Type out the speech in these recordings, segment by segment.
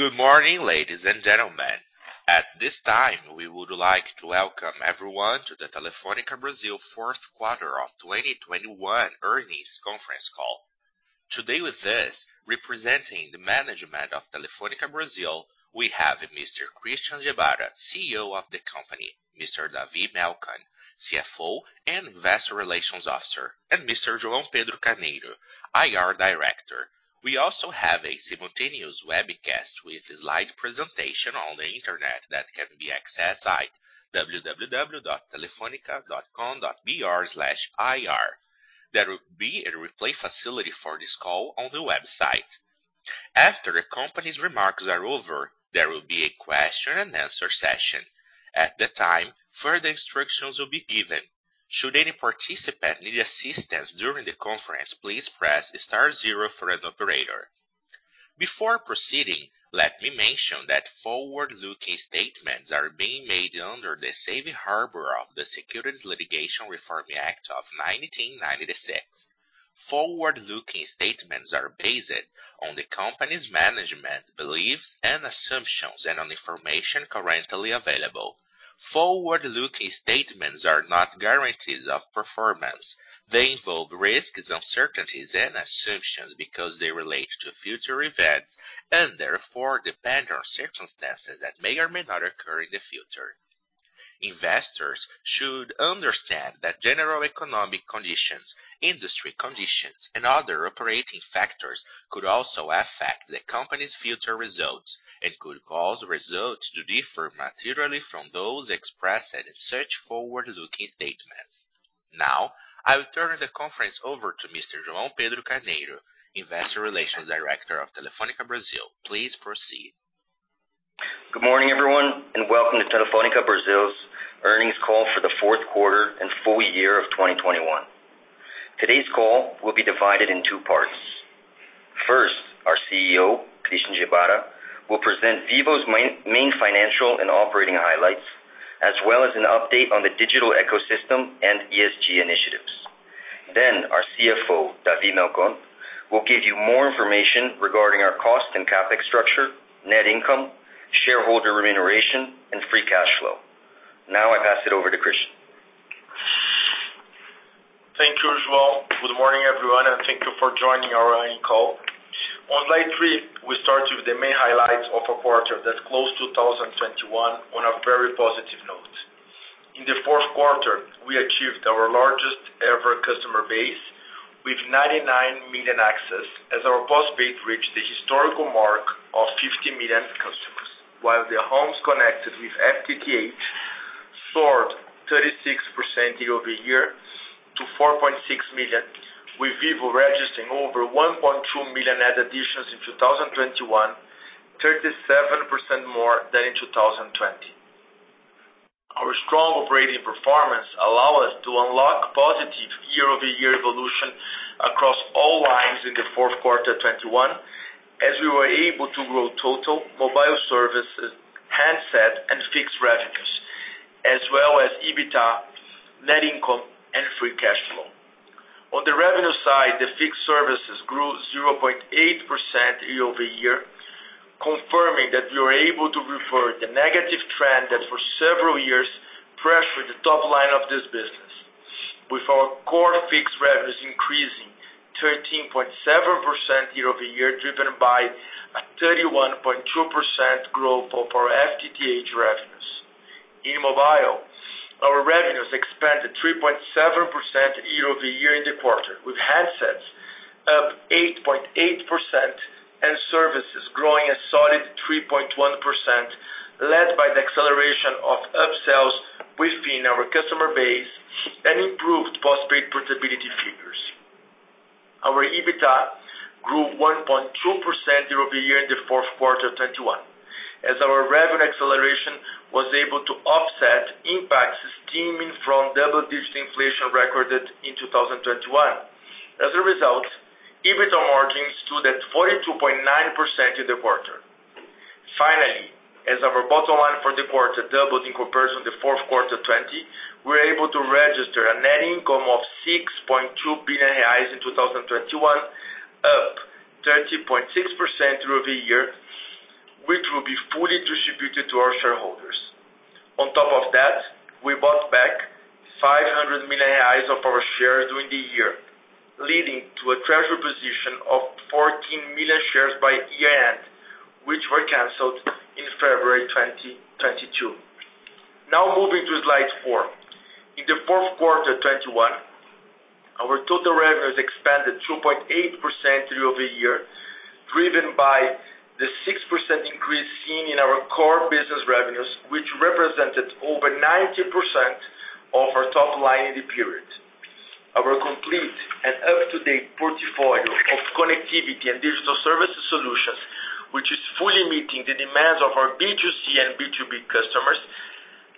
Good morning, ladies and gentlemen. At this time, we would like to welcome everyone to the Telefônica Brasil fourth quarter of 2021 earnings conference call. Today with us, representing the management of Telefônica Brasil, we have Mr. Christian Gebara, CEO of the company, Mr. David Melcon, CFO and Investor Relations Officer, and Mr. João Pedro Soares Carneiro, IR Director. We also have a simultaneous webcast with a slide presentation on the internet that can be accessed at www.telefonica.com.br/ir. There will be a replay facility for this call on the website. After the company's remarks are over, there will be a question and answer session. At the time, further instructions will be given. Should any participant need assistance during the conference, please press star zero for an operator. Before proceeding, let me mention that forward-looking statements are being made under the safe harbor of the Private Securities Litigation Reform Act of 1995. Forward-looking statements are based on the company's management beliefs and assumptions and on information currently available. Forward-looking statements are not guarantees of performance. They involve risks, uncertainties, and assumptions because they relate to future events and therefore depend on circumstances that may or may not occur in the future. Investors should understand that general economic conditions, industry conditions, and other operating factors could also affect the company's future results and could cause results to differ materially from those expressed in such forward-looking statements. Now, I will turn the conference over to Mr. João Pedro Soares Carneiro, Investor Relations Director of Telefônica Brasil. Please proceed. Good morning, everyone, and welcome to Telefónica Brasil's earnings call for the fourth quarter and full year of 2021. Today's call will be divided in two parts. First, our CEO, Christian Gebara, will present Vivo's main financial and operating highlights, as well as an update on the digital ecosystem and ESG initiatives. Then our CFO, David Melcon, will give you more information regarding our cost and CapEx structure, net income, shareholder remuneration, and free cash flow. Now I pass it over to Christian. Thank you, João. Good morning, everyone, and thank you for joining our earnings call. On slide three, we start with the main highlights of a quarter that closed 2021 on a very positive note. In the fourth quarter, we achieved our largest-ever customer base with 99 million access as our postpaid reached the historical mark of 50 million customers. While their homes connected with FTTH soared 36% year-over-year to 4.6 million, with Vivo registering over 1.2 million net additions in 2021, 37% more than in 2020. Our strong operating performance allow us to unlock positive year-over-year evolution across all lines in the fourth quarter 2021, as we were able to grow total mobile services, handsets, and fixed revenues, as well as EBITDA, net income, and free cash flow. On the revenue side, the fixed services grew 0.8% year-over-year, confirming that we are able to reverse the negative trend that for several years pressured the top line of this business, with our core fixed revenues increasing 13.7% year-over-year, driven by a 31.2% growth of our FTTH revenues. In mobile, our revenues expanded 3.7% year-over-year in the quarter, with handsets up 8.8% and services growing a solid 3.1%, led by the acceleration of upsells within our customer base and improved post-paid portability figures. Our EBITDA grew 1.2% year-over-year in the fourth quarter 2021, as our revenue acceleration was able to offset impacts stemming from double-digit inflation recorded in 2021. As a result, EBITDA margins stood at 42.9% in the quarter. Finally, as our bottom line for the quarter doubled in comparison to the fourth quarter 2020, we were able to register a net income of 6.2 billion reais in 2021, up 13.6% year-over-year, which will be fully distributed to our shareholders. On top of that, we bought back 500 million reais of our shares during the year, leading to a treasury position of 14 million shares by year-end, which were canceled in February 2022. Now moving to slide four. In the fourth quarter 2021, our total revenues expanded 2.8% year-over-year, driven by the 6% increase seen in our core business revenues, which represented over 90% of our top line in the period. Our complete and up-to-date portfolio of connectivity and digital services solutions, which is fully meeting the demands of our B2C and B2B customers,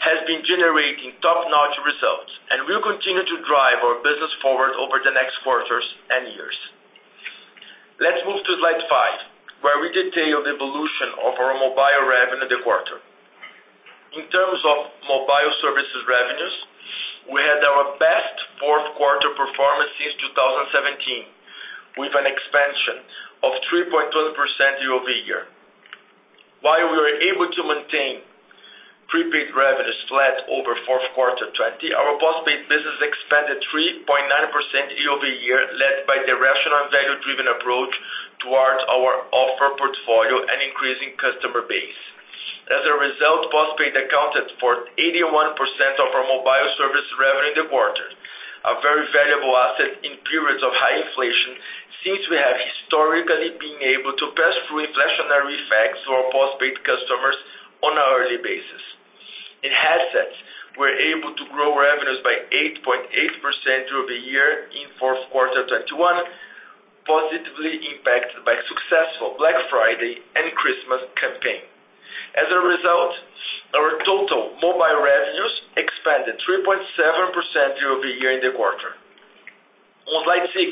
has been generating top-notch results and will continue to drive our business forward over the next quarters and years. Let's move to slide five, where we detail the evolution of our mobile revenue in the quarter. In terms of mobile services revenues, we had our best fourth quarter performance since 2017, with an expansion of 3.2% year-over-year. While we were able to maintain prepaid revenues flat over fourth quarter 2020, our postpaid business expanded 3.9% year-over-year, led by the rational value-driven approach towards our offer portfolio and increasing customer base. As a result, postpaid accounted for 81% of our mobile service revenue in the quarter, a very valuable asset in periods of high inflation, since we have historically been able to pass through inflationary effects to our postpaid customers on an early basis. In headsets, we're able to grow revenues by 8.8% year-over-year in fourth quarter 2021, positively impacted by successful Black Friday and Christmas campaign. As a result, our total mobile revenues expanded 3.7% year-over-year in the quarter. On slide six,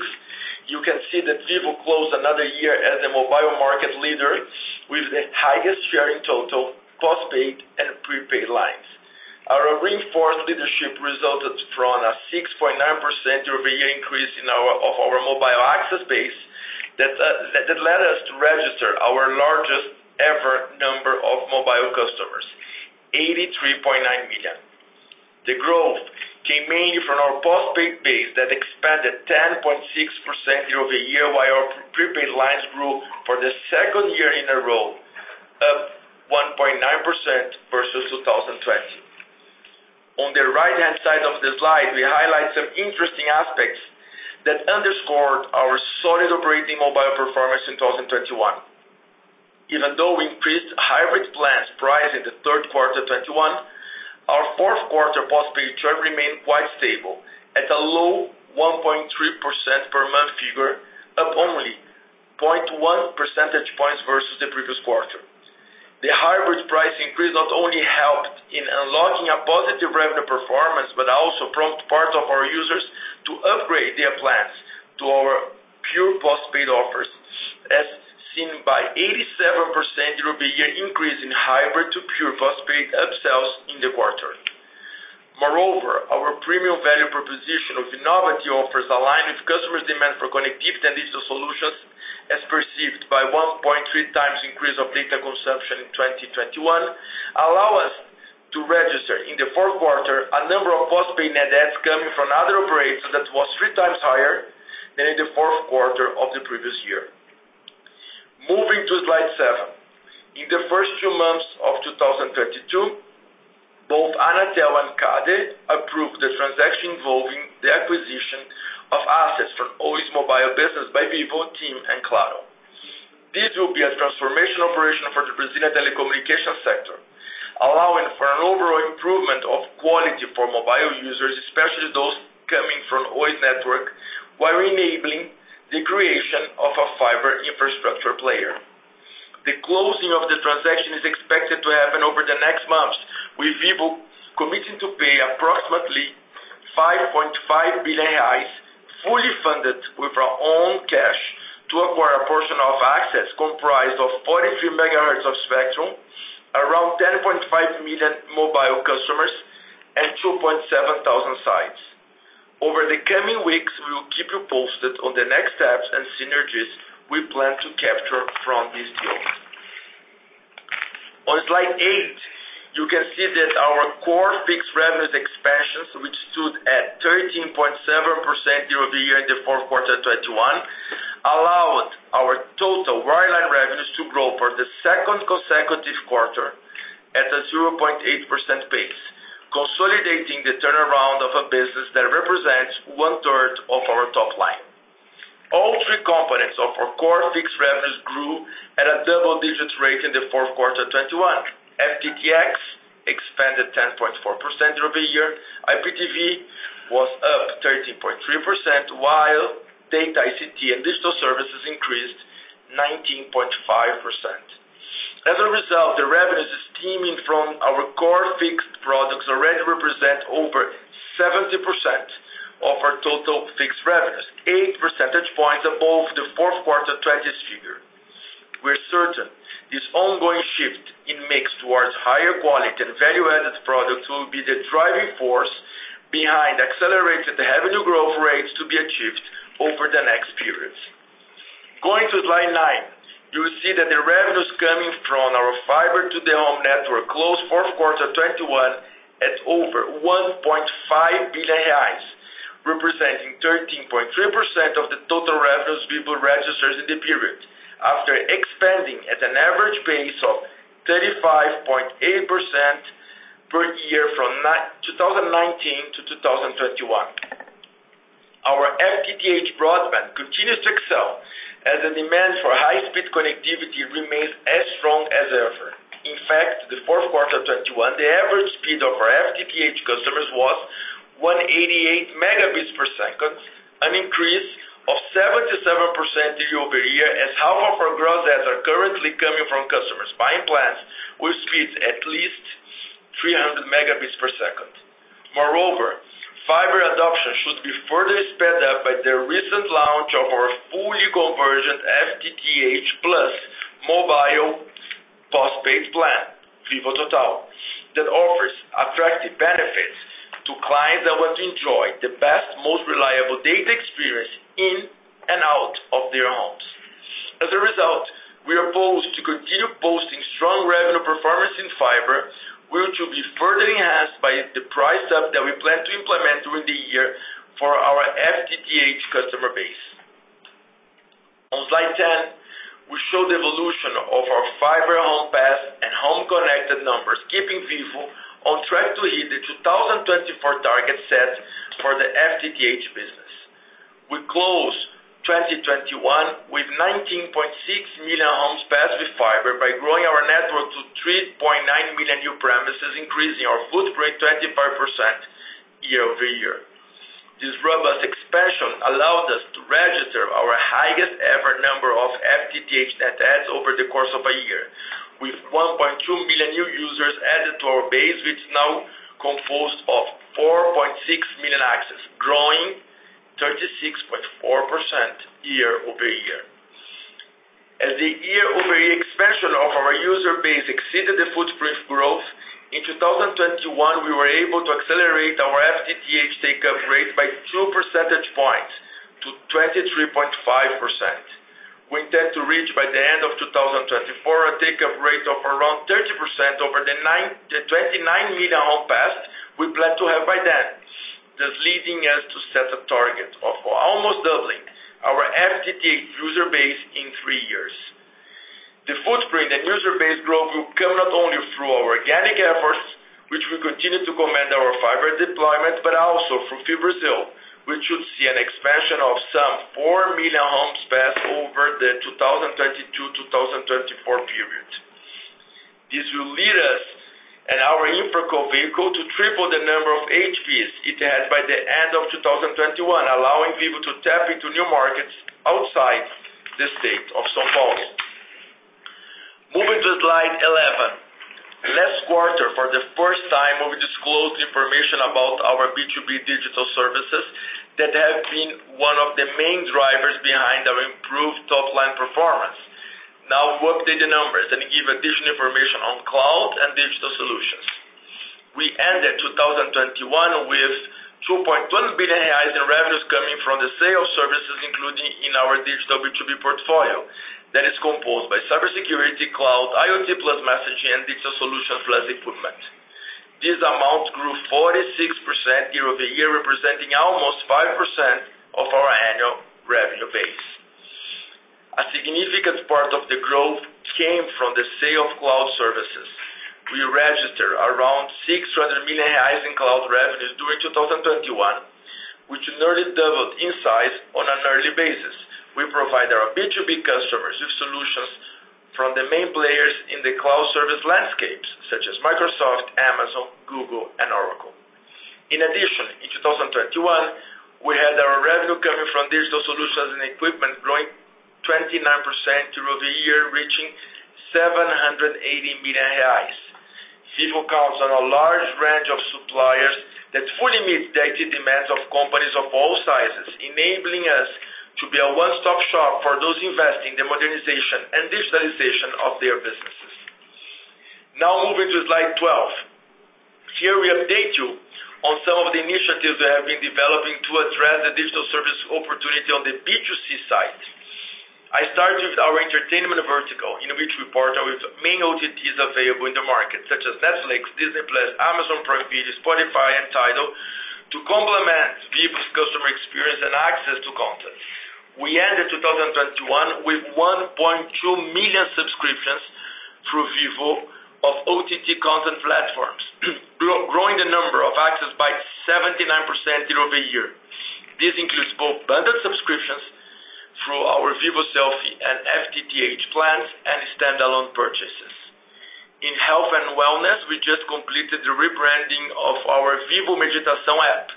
you can see that Vivo closed another year as the mobile market leader with the highest share in total postpaid and prepaid lines. Our reinforced leadership resulted from a 6.9% year-over-year increase in our mobile access base that led us to register our largest ever number of mobile customers, 83.9 million. The growth came mainly from our postpaid base that expanded 10.6% year-over-year, while our prepaid lines grew for the second year in a row of 1.9% versus 2020. On the right-hand side of the slide, we highlight some interesting aspects that underscored our solid operating mobile performance in 2021. Even though we increased hybrid plans price in the third quarter 2021, our fourth quarter postpaid churn remained quite stable at a low 1.3% per month figure, up only 0.1 percentage points versus the previous quarter. The hybrid price increase not only helped in unlocking a positive revenue performance, but also prompted part of our users to upgrade their plans to our pure postpaid offers, as seen by 87% year-over-year increase in hybrid to pure postpaid upsells in the quarter. Moreover, our premium value proposition of novelty offers aligned with customer demand for connectivity and digital solutions, as perceived by 1.3 times increase of data consumption in 2021, allow us to register in the fourth quarter a number of postpaid net adds coming from other operators that was three times higher than in the fourth quarter of the previous year. Moving to slide seven. In the first two months of 2022, both Anatel and CADE approved the transaction involving the acquisition of assets from Oi's mobile business by Vivo, TIM, and Claro. This will be a transformational operation for the Brazilian telecommunication sector, allowing for an overall improvement of quality for mobile users, especially those coming from Oi network, while enabling the creation of a fiber infrastructure player. The closing of the transaction is expected to happen over the next months, with Vivo committing to pay approximately 5.5 billion reais, fully funded with our own cash, to acquire a portion of assets comprised of 43 MHz of spectrum, around 10.5 million mobile customers, and 2,700 sites. Over the coming weeks, we will keep you posted on the next steps and synergies we plan to capture from this deal. On slide eight, you can see that our core fixed revenues expansions, which stood at 13.7% year-over-year in the fourth quarter 2021, allowed our total wireline revenues to grow for the second consecutive quarter at a 0.8% pace, consolidating the turnaround of a business that represents 1/3 of our top line. All three components of our core fixed revenues grew at a double-digit rate in the fourth quarter 2021. FTTX expanded 10.4% year-over-year. IPTV was up 13.3%, while data ICT and digital services increased 19.5%. As a result, the revenues stemming from our core fixed products already represent over 70% of our total fixed revenues, eight percentage points above the fourth quarter 2020 figure. We're certain this ongoing shift in mix towards higher quality and value-added products will be the driving force behind accelerated revenue growth rates to be achieved over the next periods. Going to slide nine. You will see that the revenues coming from our fiber to the home network closed fourth quarter 2021 at over 1.5 billion reais, representing 13.3% of the total revenues Vivo registered in the period, after expanding at an average pace of 35.8% per year from 2019 to 2021. Our FTTH broadband continues to excel as the demand for high-speed connectivity remains as strong as ever. In fact, in the fourth quarter 2021, the average speed of our FTTH customers was 188 Mbps, an increase of 77% year-over-year, as half of our gross adds are currently coming from customers buying plans with speeds at least 300 Mbps. Migration option should be further sped up by the recent launch of our full convergence FTTH plus mobile postpaid plan, Vivo Total, that offers attractive benefits to clients that want to enjoy the best, most reliable data experience in and out of their homes. As a result, we are poised to continue posting strong revenue performance in fiber, which will be further enhanced by the price up that we plan to implement during the year for our FTTH customer base. On slide 10, we show the evolution of our fiber home passed and home connected numbers, keeping Vivo on track to hit the 2024 target set for the FTTH business. We closed 2021 with 19.6 million homes passed with fiber by growing our network to 3.9 million new premises, increasing our footprint 25% year-over-year. This robust expansion allowed us to register our highest ever number of FTTH net adds over the course of a year. With 1.2 million new users added to our base, which is now composed of 4.6 million access, growing 36.4% year-over-year. As the year-over-year expansion of our user base exceeded the footprint growth, in 2021, we were able to accelerate our FTTH take-up rate by 2 percentage points to 23.5%. We intend to reach by the end of 2024 a take-up rate of around 30% over the 29 million homes passed, we plan to have by then. Thus leading us to set a target of almost doubling our FTTH user base in three years. The footprint and user base growth will come not only through our organic efforts, which will continue to command our fiber deployment, but also through FiBrasil, which should see an expansion of some 4 million homes passed over the 2022-2024 period. This will lead us and our InfraCo vehicle to triple the number of HPs it had by the end of 2021, allowing people to tap into new markets outside the state of São Paulo. Moving to slide 11. Last quarter, for the first time, we disclosed information about our B2B digital services that have been one of the main drivers behind our improved top-line performance. Now we'll update the numbers and give additional information on cloud and digital solutions. We ended 2021 with 2.1 billion reais in revenues coming from the sale of services, including in our digital B2B portfolio that is composed by cybersecurity, cloud, IoT plus messaging, and digital solutions plus equipment. This amount grew 46% year-over-year, representing almost 5% of our annual revenue base. A significant part of the growth came from the sale of cloud services. We registered around 600 million in cloud revenue during 2021, which nearly doubled in size on a yearly basis. We provide our B2B customers with solutions from the main players in the cloud service landscape such as Microsoft, Amazon, Google, and Oracle. In addition, in 2021, we had our revenue coming from digital solutions and equipment growing 29% year-over-year, reaching 780 million reais. Vivo counts on a large range of suppliers that fully meet the IT demands of companies of all sizes, enabling us to be a one-stop shop for those investing the modernization and digitalization of their businesses. Now moving to slide 12. Here we update you on some of the initiatives that have been developing to address the digital service opportunity on the B2C side. I start with our entertainment vertical, in which we partner with main OTTs available in the market such as Netflix, Disney+, Amazon Prime Video, Spotify, and Tidal to complement Vivo's customer experience and access to content. We ended 2021 with 1.2 million subscriptions through Vivo of OTT content platforms, growing the number of access by 79% year-over-year. This includes both bundled subscriptions through our Vivo Selfie and FTTH plans and standalone purchases. In health and wellness, we just completed the rebranding of our Vivo Meditação app,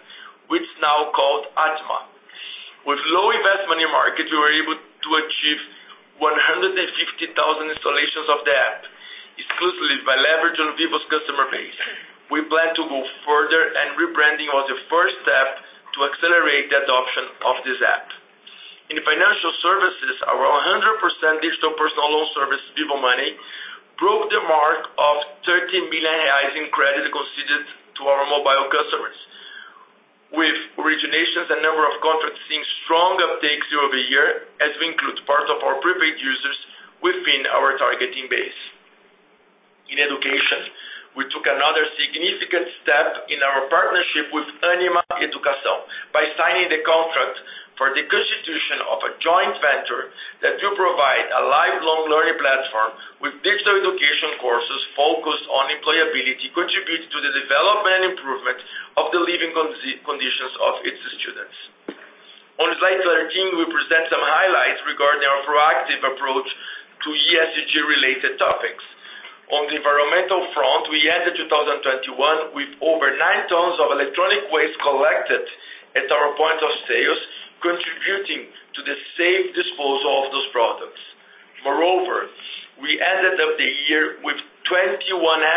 which is now called Atma. With low investment in market, we were able to achieve 150,000 installations of the app exclusively by leverage on Vivo's customer base. We plan to go further, rebranding was the first step to accelerate the adoption of this app. In financial services, our 100% digital personal loan service, Vivo Money, broke the mark of 30 million reais in credit conceded to our mobile customers. With originations and number of contracts seeing strong uptake year-over-year as we include part of our prepaid users within our targeting base. In education, we took another significant step in our partnership with Ânima Educação by signing the contract for the constitution of a joint venture that will provide a lifelong learning platform with digital education courses focused on employability, contributing to the development and improvement of the living conditions of its students. On slide 13, we present some highlights regarding our proactive approach to ESG-related topics. On the environmental front, we ended 2021 with over 9 tons of electronic waste collected at our point of sale. Contributing to the safe disposal of those products. Moreover, we ended up the year with 21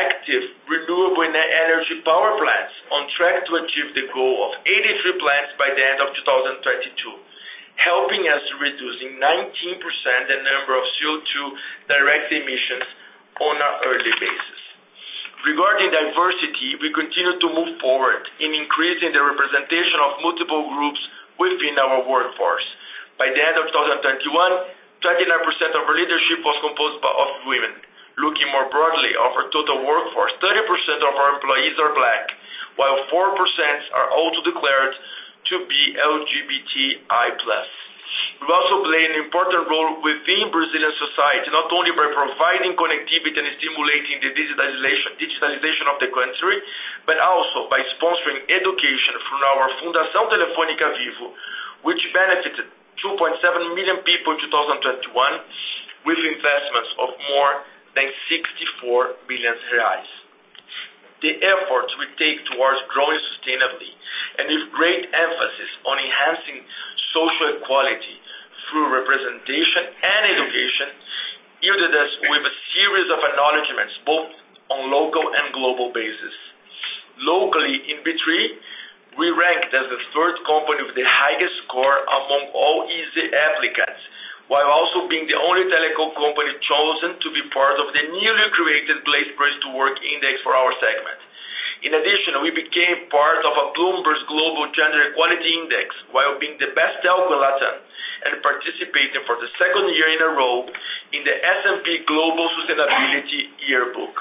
active renewable energy power plants on track to achieve the goal of 83 plants by the end of 2022, helping us reducing 19% the number of CO2 direct emissions on a yearly basis. Regarding diversity, we continue to move forward in increasing the representation of multiple groups within our workforce. By the end of 2021, 39% of our leadership was composed of women. Looking more broadly, of our total workforce, 30% of our employees are Black, while 4% are also declared to be LGBTI+. We've also played an important role within Brazilian society, not only by providing connectivity and stimulating the digitalization of the country, but also by sponsoring education through our Fundação Telefônica Vivo, which benefited 2.7 million people in 2021 with investments of more than 64 billion reais. The efforts we take towards growing sustainably and with great emphasis on enhancing social equality through representation and education yielded us with a series of acknowledgments, both on local and global basis. Locally in B3, we ranked as the third company with the highest score among all ESG applicants, while also being the only telecom company chosen to be part of the newly created Great Place to Work index for our segment. In addition, we became part of Bloomberg's Global Gender-Equality Index while being the Best Telco LatAm and participating for the second year in a row in the S&P Global Sustainability Yearbook.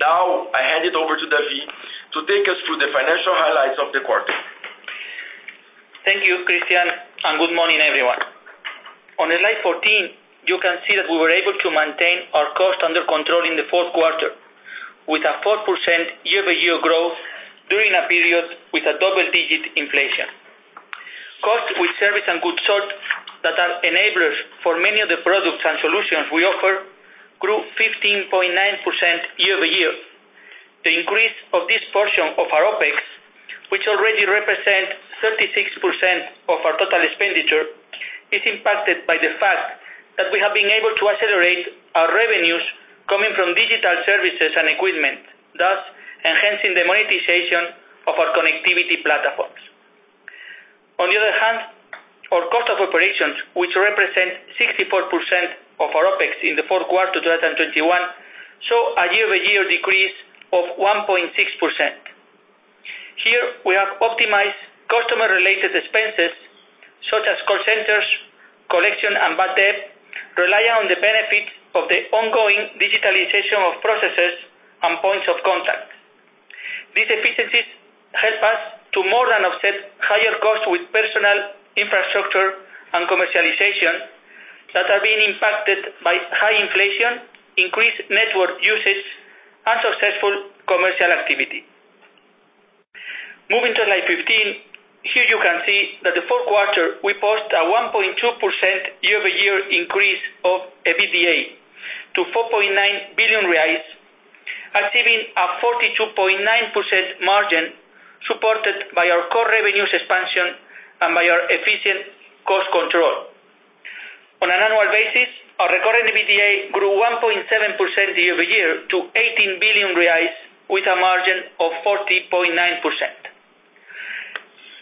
Now, I hand it over to David to take us through the financial highlights of the quarter. Thank you, Christian, and good morning, everyone. On slide 14, you can see that we were able to maintain our cost under control in the fourth quarter with a 4% year-over-year growth during a period with a double-digit inflation. Costs with service and goods sold that are enablers for many of the products and solutions we offer grew 15.9% year-over-year. The increase of this portion of our OpEx, which already represent 36% of our total expenditure, is impacted by the fact that we have been able to accelerate our revenues coming from digital services and equipment, thus enhancing the monetization of our connectivity platforms. On the other hand, our cost of operations, which represent 64% of our OpEx in the fourth quarter of 2021, show a year-over-year decrease of 1.6%. Here, we have optimized customer-related expenses such as call centers, collection, and bad debt, relying on the benefits of the ongoing digitalization of processes and points of contact. These efficiencies help us to more than offset higher costs with personal infrastructure and commercialization that are being impacted by high inflation, increased network usage, and successful commercial activity. Moving to slide 15, here you can see that in the fourth quarter, we post a 1.2% year-over-year increase of EBITDA to 4.9 billion reais, achieving a 42.9% margin supported by our core revenues expansion and by our efficient cost control. On an annual basis, our recurring EBITDA grew 1.7% year-over-year to 18 billion reais with a margin of 40.9%.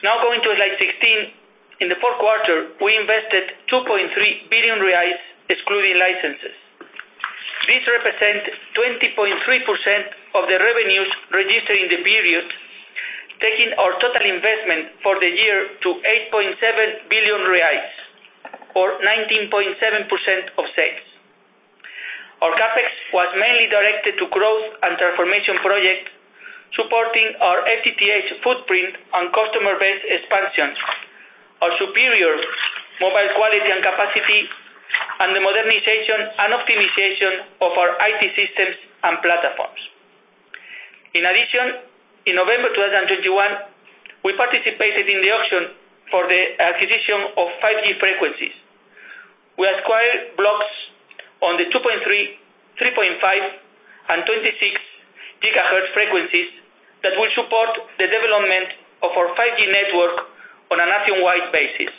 Now going to slide 16. In the fourth quarter, we invested 2.3 billion reais excluding licenses. This represent 20.3% of the revenues registered in the period, taking our total investment for the year to 8.7 billion reais or 19.7% of sales. Our CapEx was mainly directed to growth and transformation projects supporting our FTTH footprint and customer base expansions, our superior mobile quality and capacity, and the modernization and optimization of our IT systems and platforms. In addition, in November 2021, we participated in the auction for the acquisition of 5G frequencies. We acquired blocks on the 2.3, 3.5, and 26 gigahertz frequencies that will support the development of our 5G network on a nationwide basis.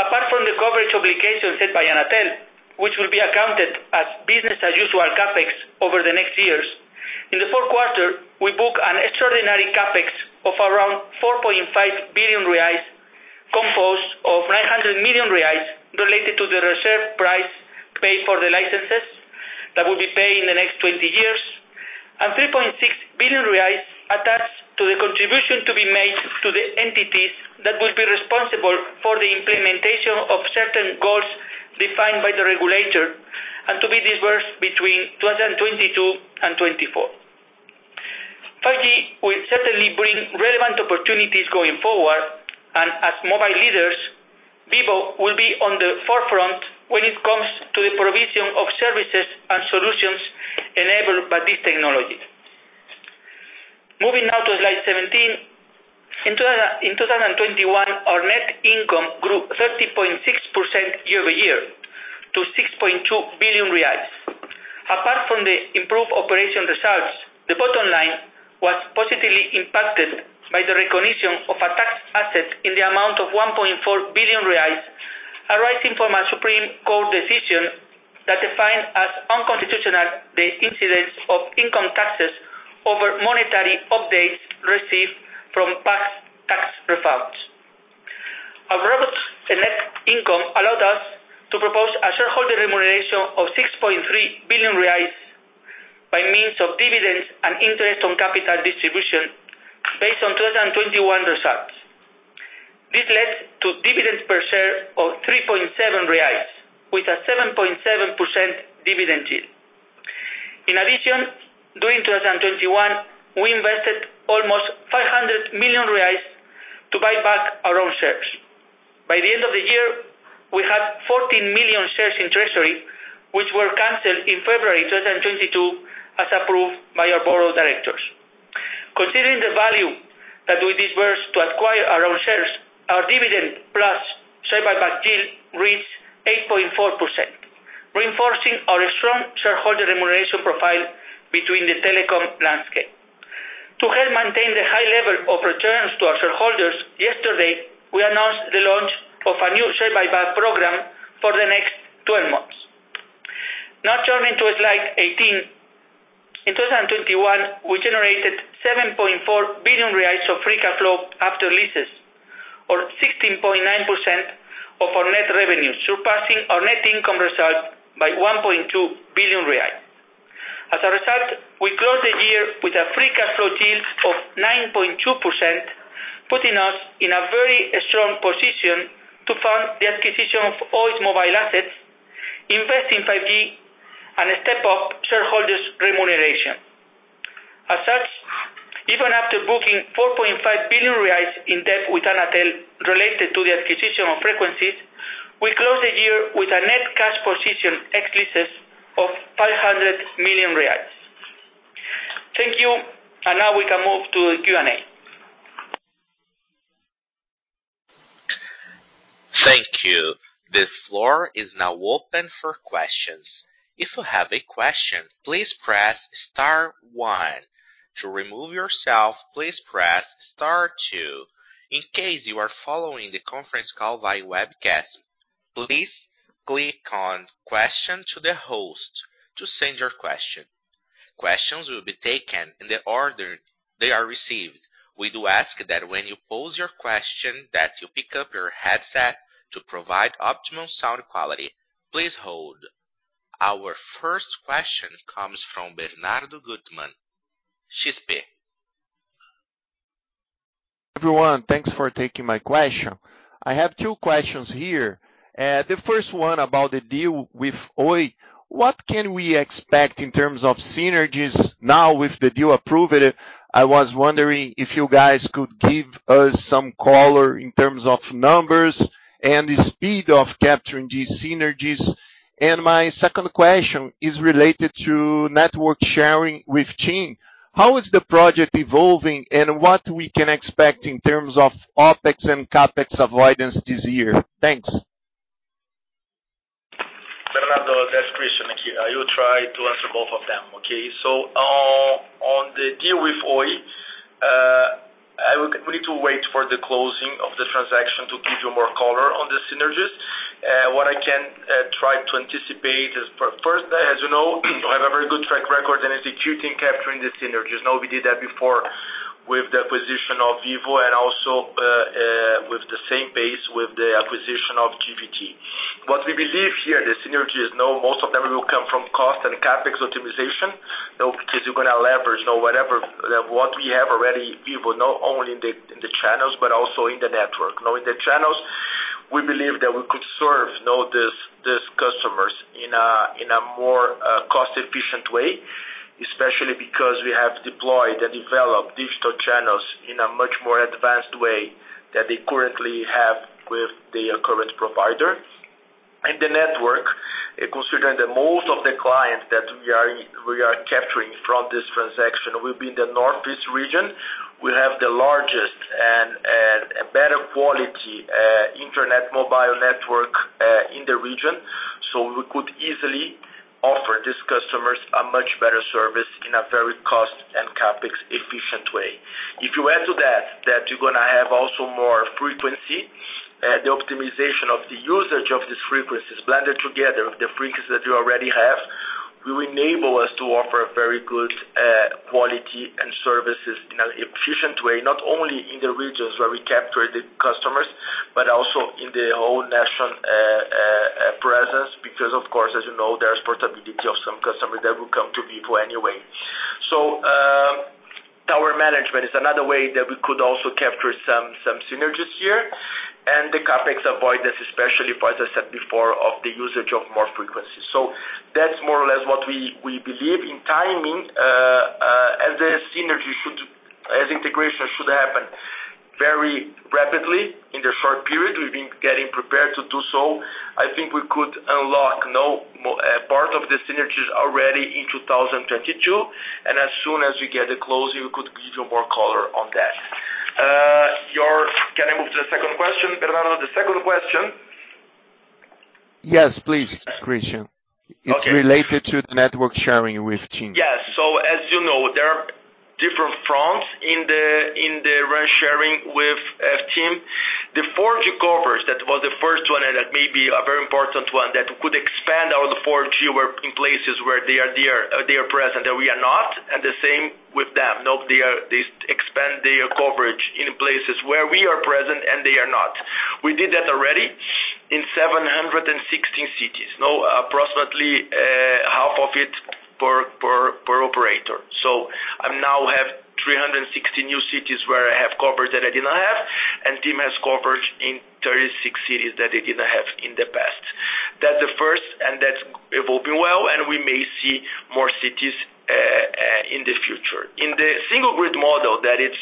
Apart from the coverage obligations set by Anatel, which will be accounted as business-as-usual CapEx over the next years, in the fourth quarter, we book an extraordinary CapEx of around 4.5 billion reais, composed of 900 million reais related to the reserve price paid for the licenses that will be paid in the next 20 years, and 3.6 billion reais attached to the contribution to be made to the entities that will be responsible for the implementation of certain goals defined by the regulator and to be dispersed between 2022 and 2024. 5G will certainly bring relevant opportunities going forward, and as mobile leaders, Vivo will be on the forefront when it comes to the provision of services and solutions enabled by this technology. Moving now to slide 17. In 2021, our net income grew 30.6% year-over-year to BRL 6.2 billion. On the improved operational results, the bottom line was positively impacted by the recognition of a tax asset in the amount of 1.4 billion reais, arising from a Supreme Court decision that defined as unconstitutional the incidence of income taxes over monetary updates received from past tax refunds. Our robust net income allowed us to propose a shareholder remuneration of 6.3 billion reais by means of dividends and interest on capital distribution based on 2021 results. This led to dividends per share of 3.7 reais, with a 7.7% dividend yield. In addition, during 2021, we invested almost 500 million reais to buy back our own shares. By the end of the year, we had 14 million shares in treasury, which were canceled in February 2022, as approved by our board of directors. Considering the value that we disbursed to acquire our own shares, our dividend plus share buyback yield reached 8.4%, reinforcing our strong shareholder remuneration profile in the telecom landscape. To help maintain the high level of returns to our shareholders, yesterday, we announced the launch of a new share buyback program for the next 12 months. Now, turning to slide 18. In 2021, we generated 7.4 billion reais of free cash flow after leases or 16.9% of our net revenue, surpassing our net income result by 1.2 billion reais. As a result, we closed the year with a free cash flow yield of 9.2%, putting us in a very strong position to fund the acquisition of Oi's mobile assets, invest in 5G, and step up shareholders remuneration. As such, even after booking 4.5 billion reais in debt with Anatel related to the acquisition of frequencies, we closed the year with a net cash position ex-leases of 500 million reais. Thank you. Now we can move to the Q&A. Thank you. The floor is now open for questions. If you have a question, please press star one. To remove yourself, please press star two. In case you are following the conference call by webcast, please click on Question to the Host to send your question. Questions will be taken in the order they are received. We do ask that when you pose your question that you pick up your headset to provide optimum sound quality. Please hold. Our first question comes from Bernardo Guttmann, XP. Everyone, thanks for taking my question. I have two questions here. The first one about the deal with Oi, what can we expect in terms of synergies now with the deal approved? I was wondering if you guys could give us some color in terms of numbers and the speed of capturing these synergies. My second question is related to network sharing with TIM. How is the project evolving, and what we can expect in terms of OpEx and CapEx avoidance this year? Thanks. Bernardo, that's Christian here. I will try to answer both of them, okay. On the deal with Oi, we need to wait for the closing of the transaction to give you more color on the synergies. What I can try to anticipate is first, as you know, we have a very good track record in executing, capturing the synergies. Now, we did that before with the acquisition of Vivo and also with the same base with the acquisition of GVT. What we believe here, the synergies, now most of them will come from cost and CapEx optimization. Because you're gonna leverage or whatever, what we have already, Vivo not only in the channels but also in the network. Now, in the channels, we believe that we could serve now these customers in a more cost-efficient way, especially because we have deployed and developed digital channels in a much more advanced way that they currently have with their current provider. In the network, considering that most of the clients that we are capturing from this transaction will be in the northeast region, we have the largest and better quality internet mobile network in the region. We could easily offer these customers a much better service in a very cost and CapEx efficient way. If you add to that you're gonna have also more frequency, the optimization of the usage of these frequencies blended together with the frequencies that you already have, will enable us to offer very good, quality and services in an efficient way, not only in the regions where we capture the customers, but also in the whole national presence, because of course, as you know, there's portability of some customers that will come to Vivo anyway. Tower management is another way that we could also capture some synergies here. The CapEx avoidance, especially as I said before, of the usage of more frequencies. That's more or less what we believe in timing, as integration should happen very rapidly in the short period. We've been getting prepared to do so. I think we could unlock part of the synergies already in 2022, and as soon as we get the closing, we could give you more color on that. Can I move to the second question? Bernardo, the second question? Yes, please, Christian. Okay. It's related to the network sharing with TIM. Yes. As you know, there are different fronts in the sharing with TIM. The 4G coverage, that was the first one, and that may be a very important one that could expand all the 4G in places where they are present that we are not, and the same with them. Now, they expand their coverage in places where we are present and they are not. We did that already in 716 cities. Now, approximately, half of it per operator. I now have 360 new cities where I have coverage that I did not have, and TIM has coverage in 36 cities that they didn't have in the past. That's the first, and that's evolving well, and we may see more cities in the future. In the single grid model, that is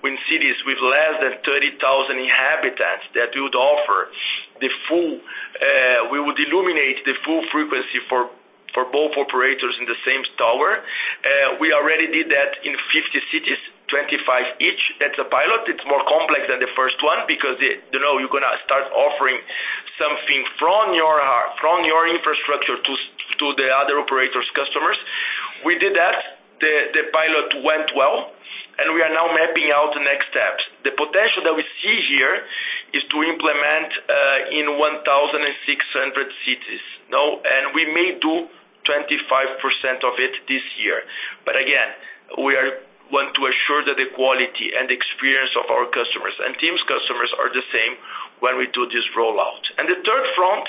when cities with less than 30,000 inhabitants that would offer the full, we would illuminate the full frequency for both operators in the same tower. We already did that in 50 cities, 25 each. That's a pilot. It's more complex than the first one because you know, you're gonna start offering something from your infrastructure to the other operators' customers. We did that. The pilot went well, and we are now mapping out the next steps. The potential that we see here is to implement in 1,600 cities, you know, and we may do 25% of it this year. Again, we want to assure that the quality and experience of our customers and TIM's customers are the same when we do this rollout. The third front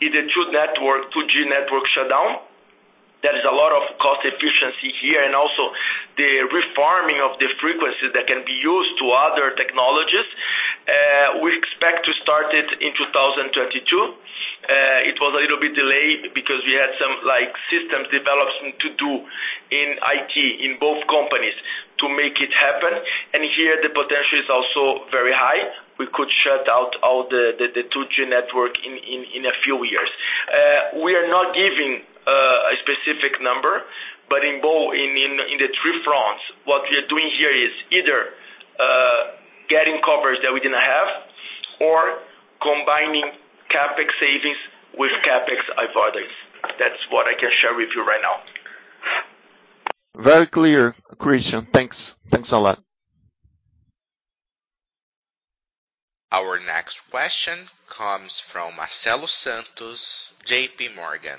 is the 2G network shutdown. There is a lot of cost efficiency here and also the reforming of the frequencies that can be used to other technologies. We expect to start it in 2032. It was a little bit delayed because we had some like system development to do in IT, in both companies to make it happen. Here, the potential is also very high. We could shut out all the 2G network in a few years. We are not giving a specific number, but in both in the three fronts, what we are doing here is either getting coverage that we didn't have or combining CapEx savings with CapEx avoidance. That's what I can share with you right now. Very clear, Christian. Thanks. Thanks a lot. Our next question comes from Marcelo Santos, JPMorgan.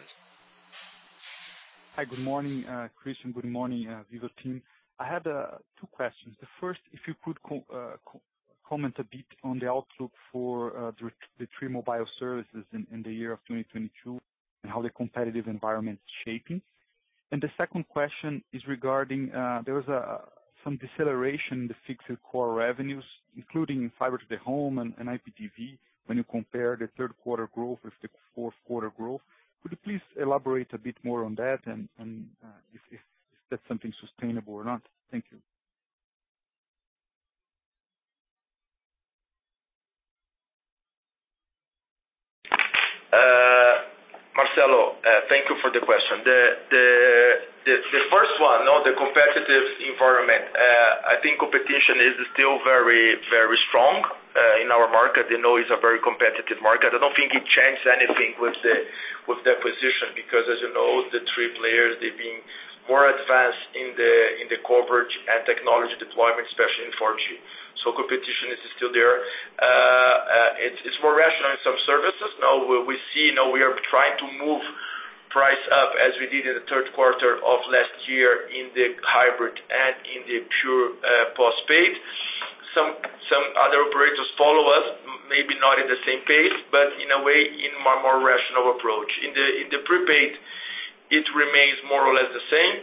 Hi. Good morning, Christian. Good morning, Vivo team. I had two questions. The first, if you could comment a bit on the outlook for the three mobile services in the year of 2022 and how the competitive environment is shaping. The second question is regarding, there was some deceleration in the fixed core revenues, including fiber to the home and IPTV when you compare the third quarter growth with the fourth quarter growth. Could you please elaborate a bit more on that and if that's something sustainable or not? Thank you. Marcelo, thank you for the question. The first one, you know, the competitive environment, I think competition is still very strong in our market. You know, it's a very competitive market. I don't think it changed anything with the position because as you know, the three players, they've been more advanced in the corporate and technology deployment, especially in 4G. Competition is still there. It's more rational in some services. Now we see, now we are trying to move price up as we did in the third quarter of last year in the hybrid and in the pure postpaid. Some other operators follow us, maybe not at the same pace, but in a way, in a more rational approach. In the prepaid, it remains more or less the same.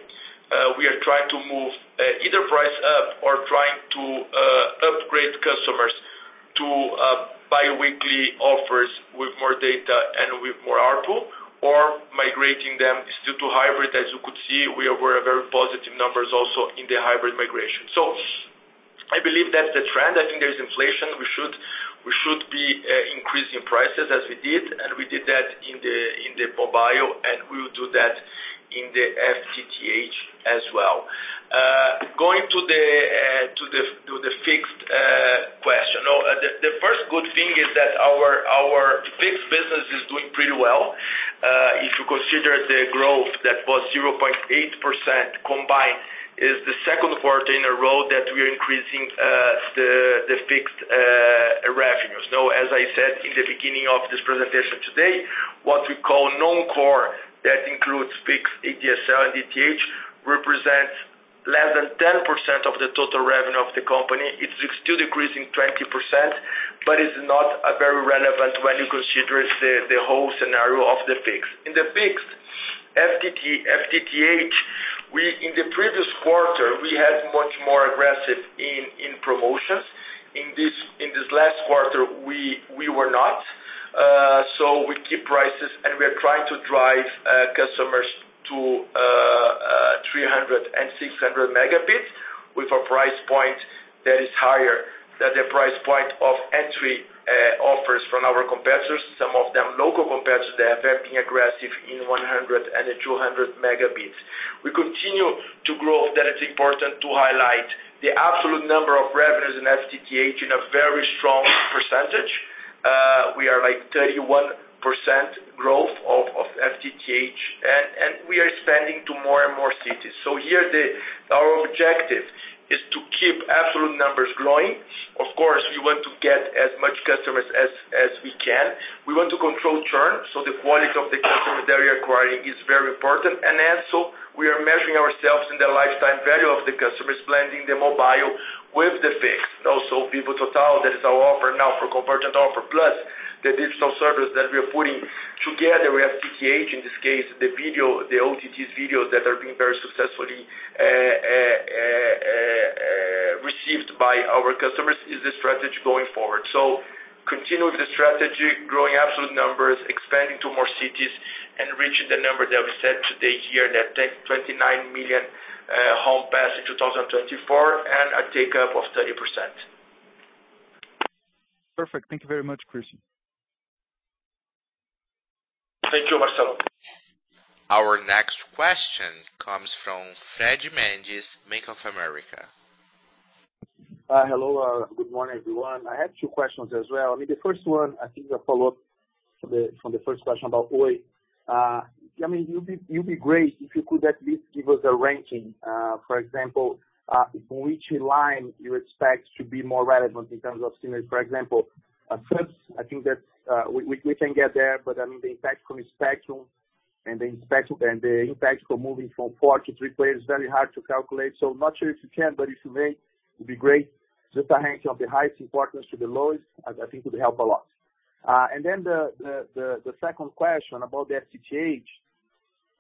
We are trying to move either price up or upgrade customers to biweekly offers with more data and with more ARPU or migrating them still to hybrid. As you could see, we had very positive numbers also in the hybrid migration. I believe that's the trend. I think there's inflation. We should be increasing prices as we did, and we did that in the mobile, and we will do that in the FTTH as well. Going to the fixed question. Now, the first good thing is that our fixed business is doing pretty well. If you consider the growth that was 0.8% combined, this is the second quarter in a row that we are increasing the fixed revenues. Now, as I said in the beginning of this presentation today, what we call non-core, that includes fixed ADSL and ETH, represents less than 10% of the total revenue of the company. It's still decreasing 20%, but it's not very relevant when you consider the whole scenario of the fixed. In the fixed FTTH, in the previous quarter, we had much more aggressive in promotions. In this last quarter, we were not. We keep prices, and we are trying to drive customers to 300 Mb and 600 Mb with a price point that is higher than the price point of entry offers from our competitors, some of them local competitors. They have been aggressive in 100 Mb and 200 Mb We continue to grow. That is important to highlight. The absolute number of revenues in FTTH in a very strong percentage. We are like 31% of FTTH, and we are expanding to more and more cities. Our objective is to keep absolute numbers growing. Of course, we want to get as much customers as we can. We want to control churn, so the quality of the customers that we are acquiring is very important. We are measuring ourselves in the lifetime value of the customers, blending the mobile with the fixed. Vivo Total, that is our offer now for convergent offer, plus the digital service that we are putting together with FTTH, in this case, the video, the OTTs videos that are being very successfully received by our customers is the strategy going forward. Continue with the strategy, growing absolute numbers, expanding to more cities, and reaching the number that we set today here, that target 29 million homes passed in 2024, and a take-up of 30%. Perfect. Thank you very much, Christian. Thank you, Marcelo. Our next question comes from Fred Mendes, Bank of America. Hello. Good morning, everyone. I had two questions as well. I mean, the first one, I think a follow-up from the first question about Oi. I mean, it'd be great if you could at least give us a ranking. For example, in which line you expect to be more relevant in terms of synergies, for example. First, I think that we can get there, but I mean, the impact from the spectrum and the impact from moving from four to three players is very hard to calculate. Not sure if you can, but if you may, it'd be great. Just a ranking of the highest importance to the lowest, I think would help a lot. Then the second question about the FTTH.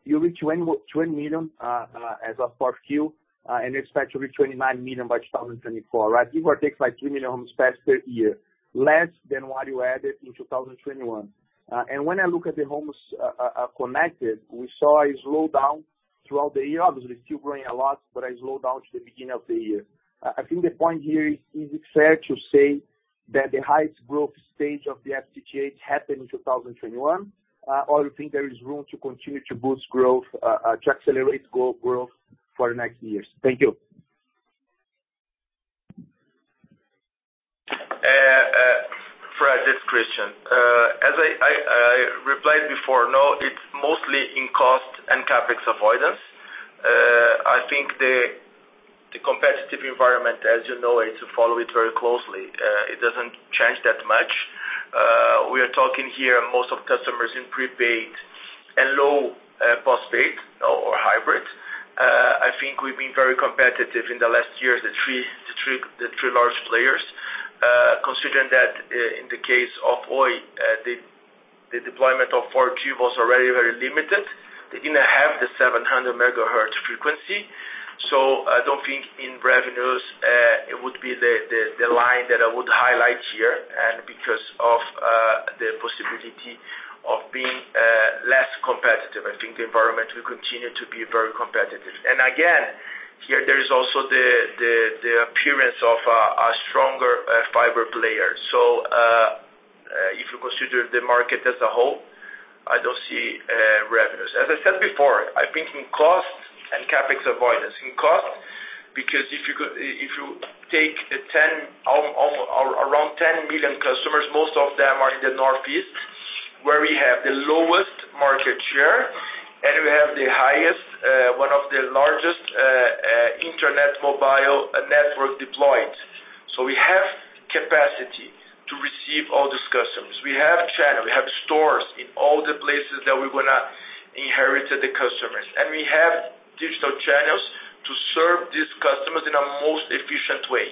You reach 20 million as of Q4, and you expect to reach 29 million by 2024, right? Give or take like 3 million homes passed per year, less than what you added in 2021. When I look at the homes connected, we saw a slowdown throughout the year. Obviously still growing a lot, but a slowdown to the beginning of the year. I think the point here is it fair to say that the highest growth stage of the FTTH happened in 2021? Or you think there is room to continue to boost growth to accelerate growth for the next years? Thank you. Fred, this is Christian. As I replied before, no, it's mostly in cost and CapEx avoidance. I think the competitive environment, as you know it, you follow it very closely, it doesn't change that much. We are talking here most of customers in prepaid and low post-paid or hybrid. I think we've been very competitive in the last year, the three large players. Considering that in the case of Oi, the deployment of 4G was already very limited. They didn't have the 700 MHz frequency. I don't think in revenues it would be the line that I would highlight here and because of the possibility of being less competitive. I think the environment will continue to be very competitive. Again, here there is also the appearance of a stronger fiber player. If you consider the market as a whole, I don't see revenues. As I said before, I think in cost and CapEx avoidance. In cost, because if you take the 10 of around 10 million customers, most of them are in the Northeast, where we have the lowest market share, and we have the highest, one of the largest internet mobile network deployed. We have capacity to receive all these customers. We have channel, we have stores in all the places that we're gonna inherit the customers, and we have digital channels to serve these customers in a most efficient way.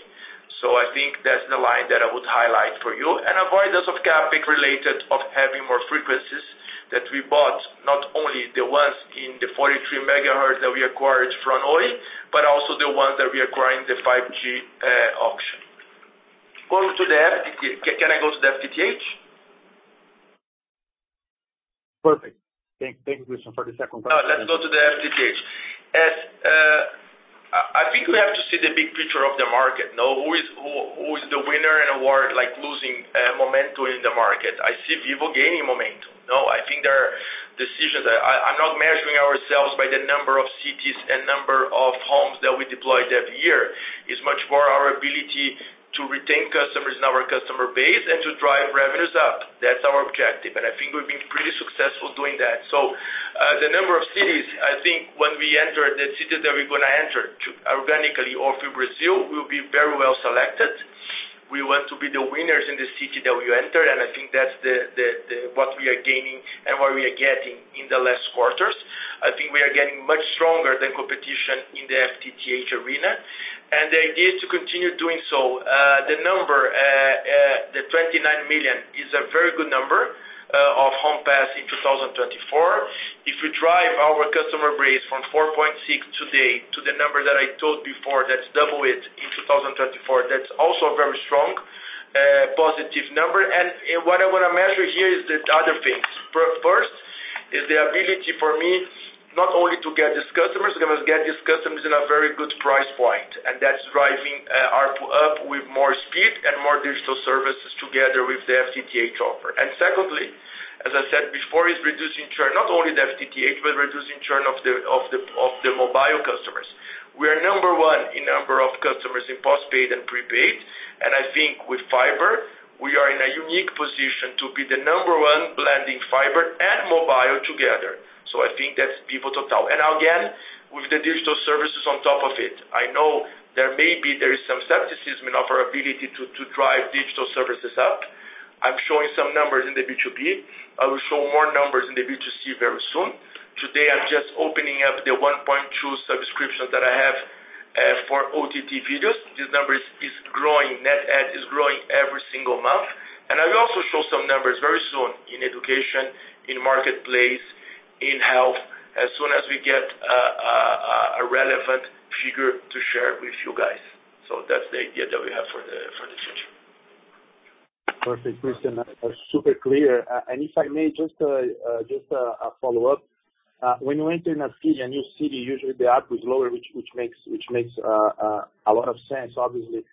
I think that's the line that I would highlight for you. Avoidance of CapEx related to having more frequencies that we bought, not only the ones in the 43 MHz that we acquired from Oi, but also the ones that we acquired in the 5G auction. Going to the FTTH. Can I go to the FTTH? Perfect. Thank you, Christian for the second question. Let's go to the FTTH. I think we have to see the big picture of the market, know who is the winner and who are like losing momentum in the market. I see Vivo gaining momentum. No, I think we're not measuring ourselves by the number of cities and number of homes that we deploy every year. It's much more our ability to retain customers in our customer base and to drive revenues up. That's our objective, and I think we've been pretty successful doing that. The number of cities, I think when we enter the cities that we're gonna enter them organically or through FiBrasil will be very well selected. We want to be the winners in the city that we enter, and I think that's the what we are gaining and what we are getting in the last quarters. I think we are getting much stronger than competition in the FTTH arena. The idea is to continue doing so. The 29 million is a very good number of home passed in 2024. If we drive our customer base from 4.6 today to the number that I told before, that's double it in 2024, that's also a very strong positive number. What I wanna measure here is the other things. First is the ability for me not only to get these customers, but to get these customers in a very good price point. That's driving ARPU up with more speed and more digital services together with the FTTH offer. Secondly, as I said before, is reducing churn. Not only the FTTH, but reducing churn of the mobile customers. We are number one in number of customers in postpaid and prepaid. I think with fiber, we are in a unique position to be the number one blending fiber and mobile together. I think that's Vivo Total. Again, with the digital services on top of it. I know there is some skepticism in our ability to drive digital services up. I'm showing some numbers in the B2B. I will show more numbers in the B2C very soon. Today, I'm just opening up the 1.2 subscription that I have for OTT videos. These numbers is growing. Net add is growing every single month. I will also show some numbers very soon in education, in marketplace, in health, as soon as we get a relevant figure to share with you guys. That's the idea that we have for the future. Perfect, Christian. That was super clear. If I may, just a follow-up. When you enter in a city, a new city, usually the ARPU is lower, which makes a lot of sense, obviously.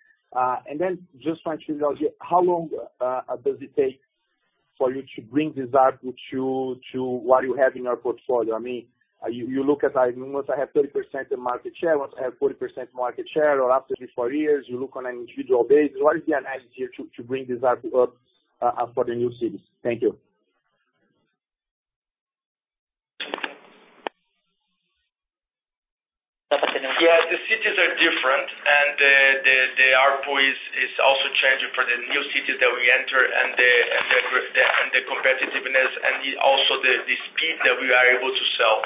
Then just want to know, how long does it take for you to bring this ARPU to what you have in your portfolio? I mean, you look at, once I have 30% of market share, once I have 40% of market share or after three, four years, you look on an individual basis. What is the analysis to bring this ARPU up for the new cities? Thank you. Yeah. The cities are different, and the ARPU is also changing for the new cities that we enter, and the competitiveness and the speed that we are able to sell.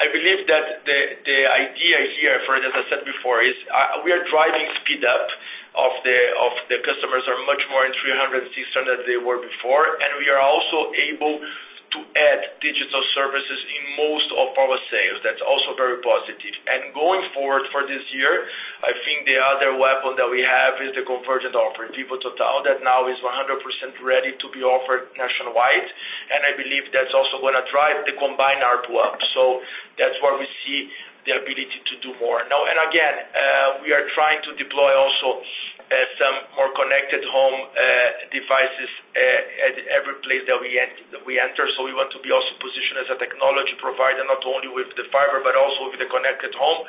I believe that the idea here, for as I said before, is we are driving speed up of the customers are much more in 300 and 600 than they were before. We are also able to add digital services in most of our sales. That's also very positive. Going forward for this year, I think the other weapon that we have is the convergent offer, Vivo Total, that now is 100% ready to be offered nationwide. I believe that's also gonna drive the combined ARPU up. That's where we see the ability to do more. Now again, we are trying to deploy also some more connected home devices at every place that we enter. We want to be also positioned as a technology provider, not only with the fiber but also with the connected home,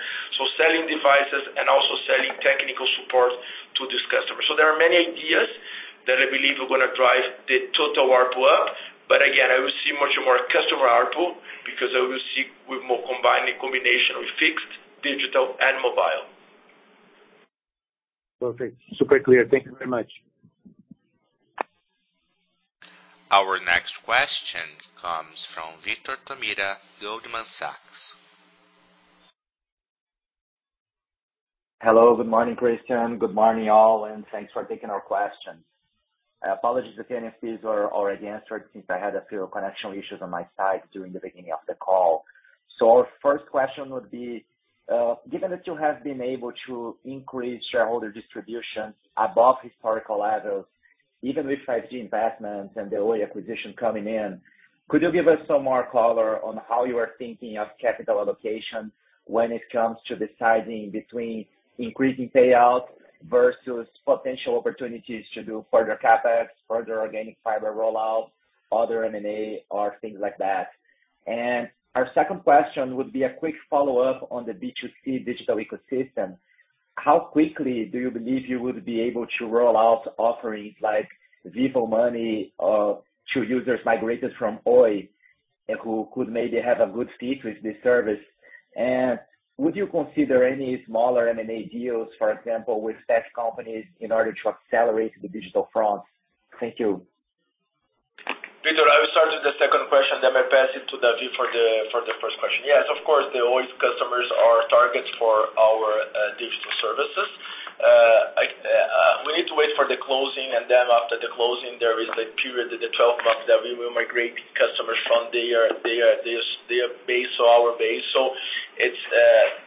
selling devices and also selling technical support to this customer. There are many ideas that I believe are gonna drive the total ARPU up. Again, I will see much more customer ARPU because I will see with more combination of fixed digital and mobile. Perfect. Super clear. Thank you very much. Our next question comes from Vitor Tomita, Goldman Sachs. Hello, good morning, Christian. Good morning, all, and thanks for taking our questions. I apologize if any of these were already answered since I had a few connection issues on my side during the beginning of the call. Our first question would be, given that you have been able to increase shareholder distribution above historical levels, even with 5G investments and the Oi acquisition coming in, could you give us some more color on how you are thinking of capital allocation when it comes to deciding between increasing payout versus potential opportunities to do further CapEx, further organic fiber rollout, other M&A or things like that? Our second question would be a quick follow-up on the B2C digital ecosystem. How quickly do you believe you would be able to roll out offerings like Vivo Money to users migrated from Oi who could maybe have a good fit with this service? Would you consider any smaller M&A deals, for example, with tech companies in order to accelerate the digital front? Thank you. Vitor, I will start with the second question, then may pass it to David for the first question. Yes, of course, the Oi customers are targets for our digital services. We need to wait for the closing, and then after the closing, there is a period of the 12 months that we will migrate customers from their base to our base.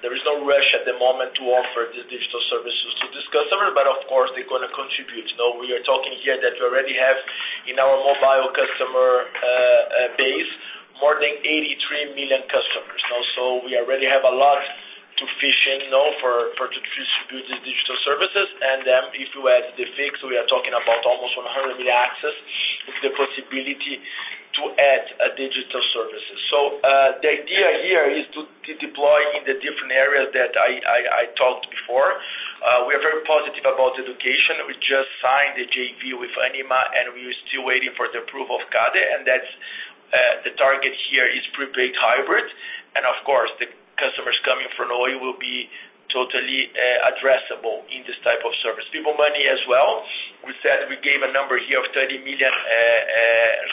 There is no rush at the moment to offer the digital services to this customer. Of course, they're gonna contribute. Now, we are talking here that we already have in our mobile customer base more than 83 million customers. Now, we already have a lot to fish in, you know, to distribute the digital services. If you add the fixed, we are talking about almost 100 million access with the possibility to add digital services. The idea here is to deploy in the different areas that I talked before. We are very positive about education. We just signed a JV with Ânima, and we are still waiting for the approval of CADE, and that's the target here is prepaid hybrid. Of course, the customers coming from Oi will be totally addressable in this type of service. Vivo Money as well. We said we gave a number here of 30 million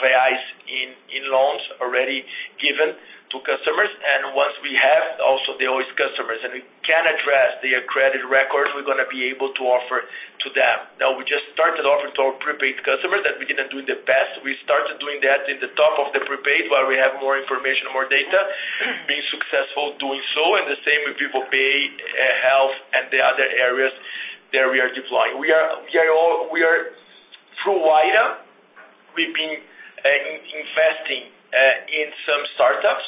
reais in loans already given to customers. Once we have also the Oi customers and we can address their credit records, we're gonna be able to offer to them. Now, we just started offering to our prepaid customers that we didn't do in the past. We started doing that in the top of the prepaid, but we have more information, more data, being successful doing so, and the same with Vivo Pay, Health and the other areas that we are deploying. Through Wayra, we've been investing in some startups.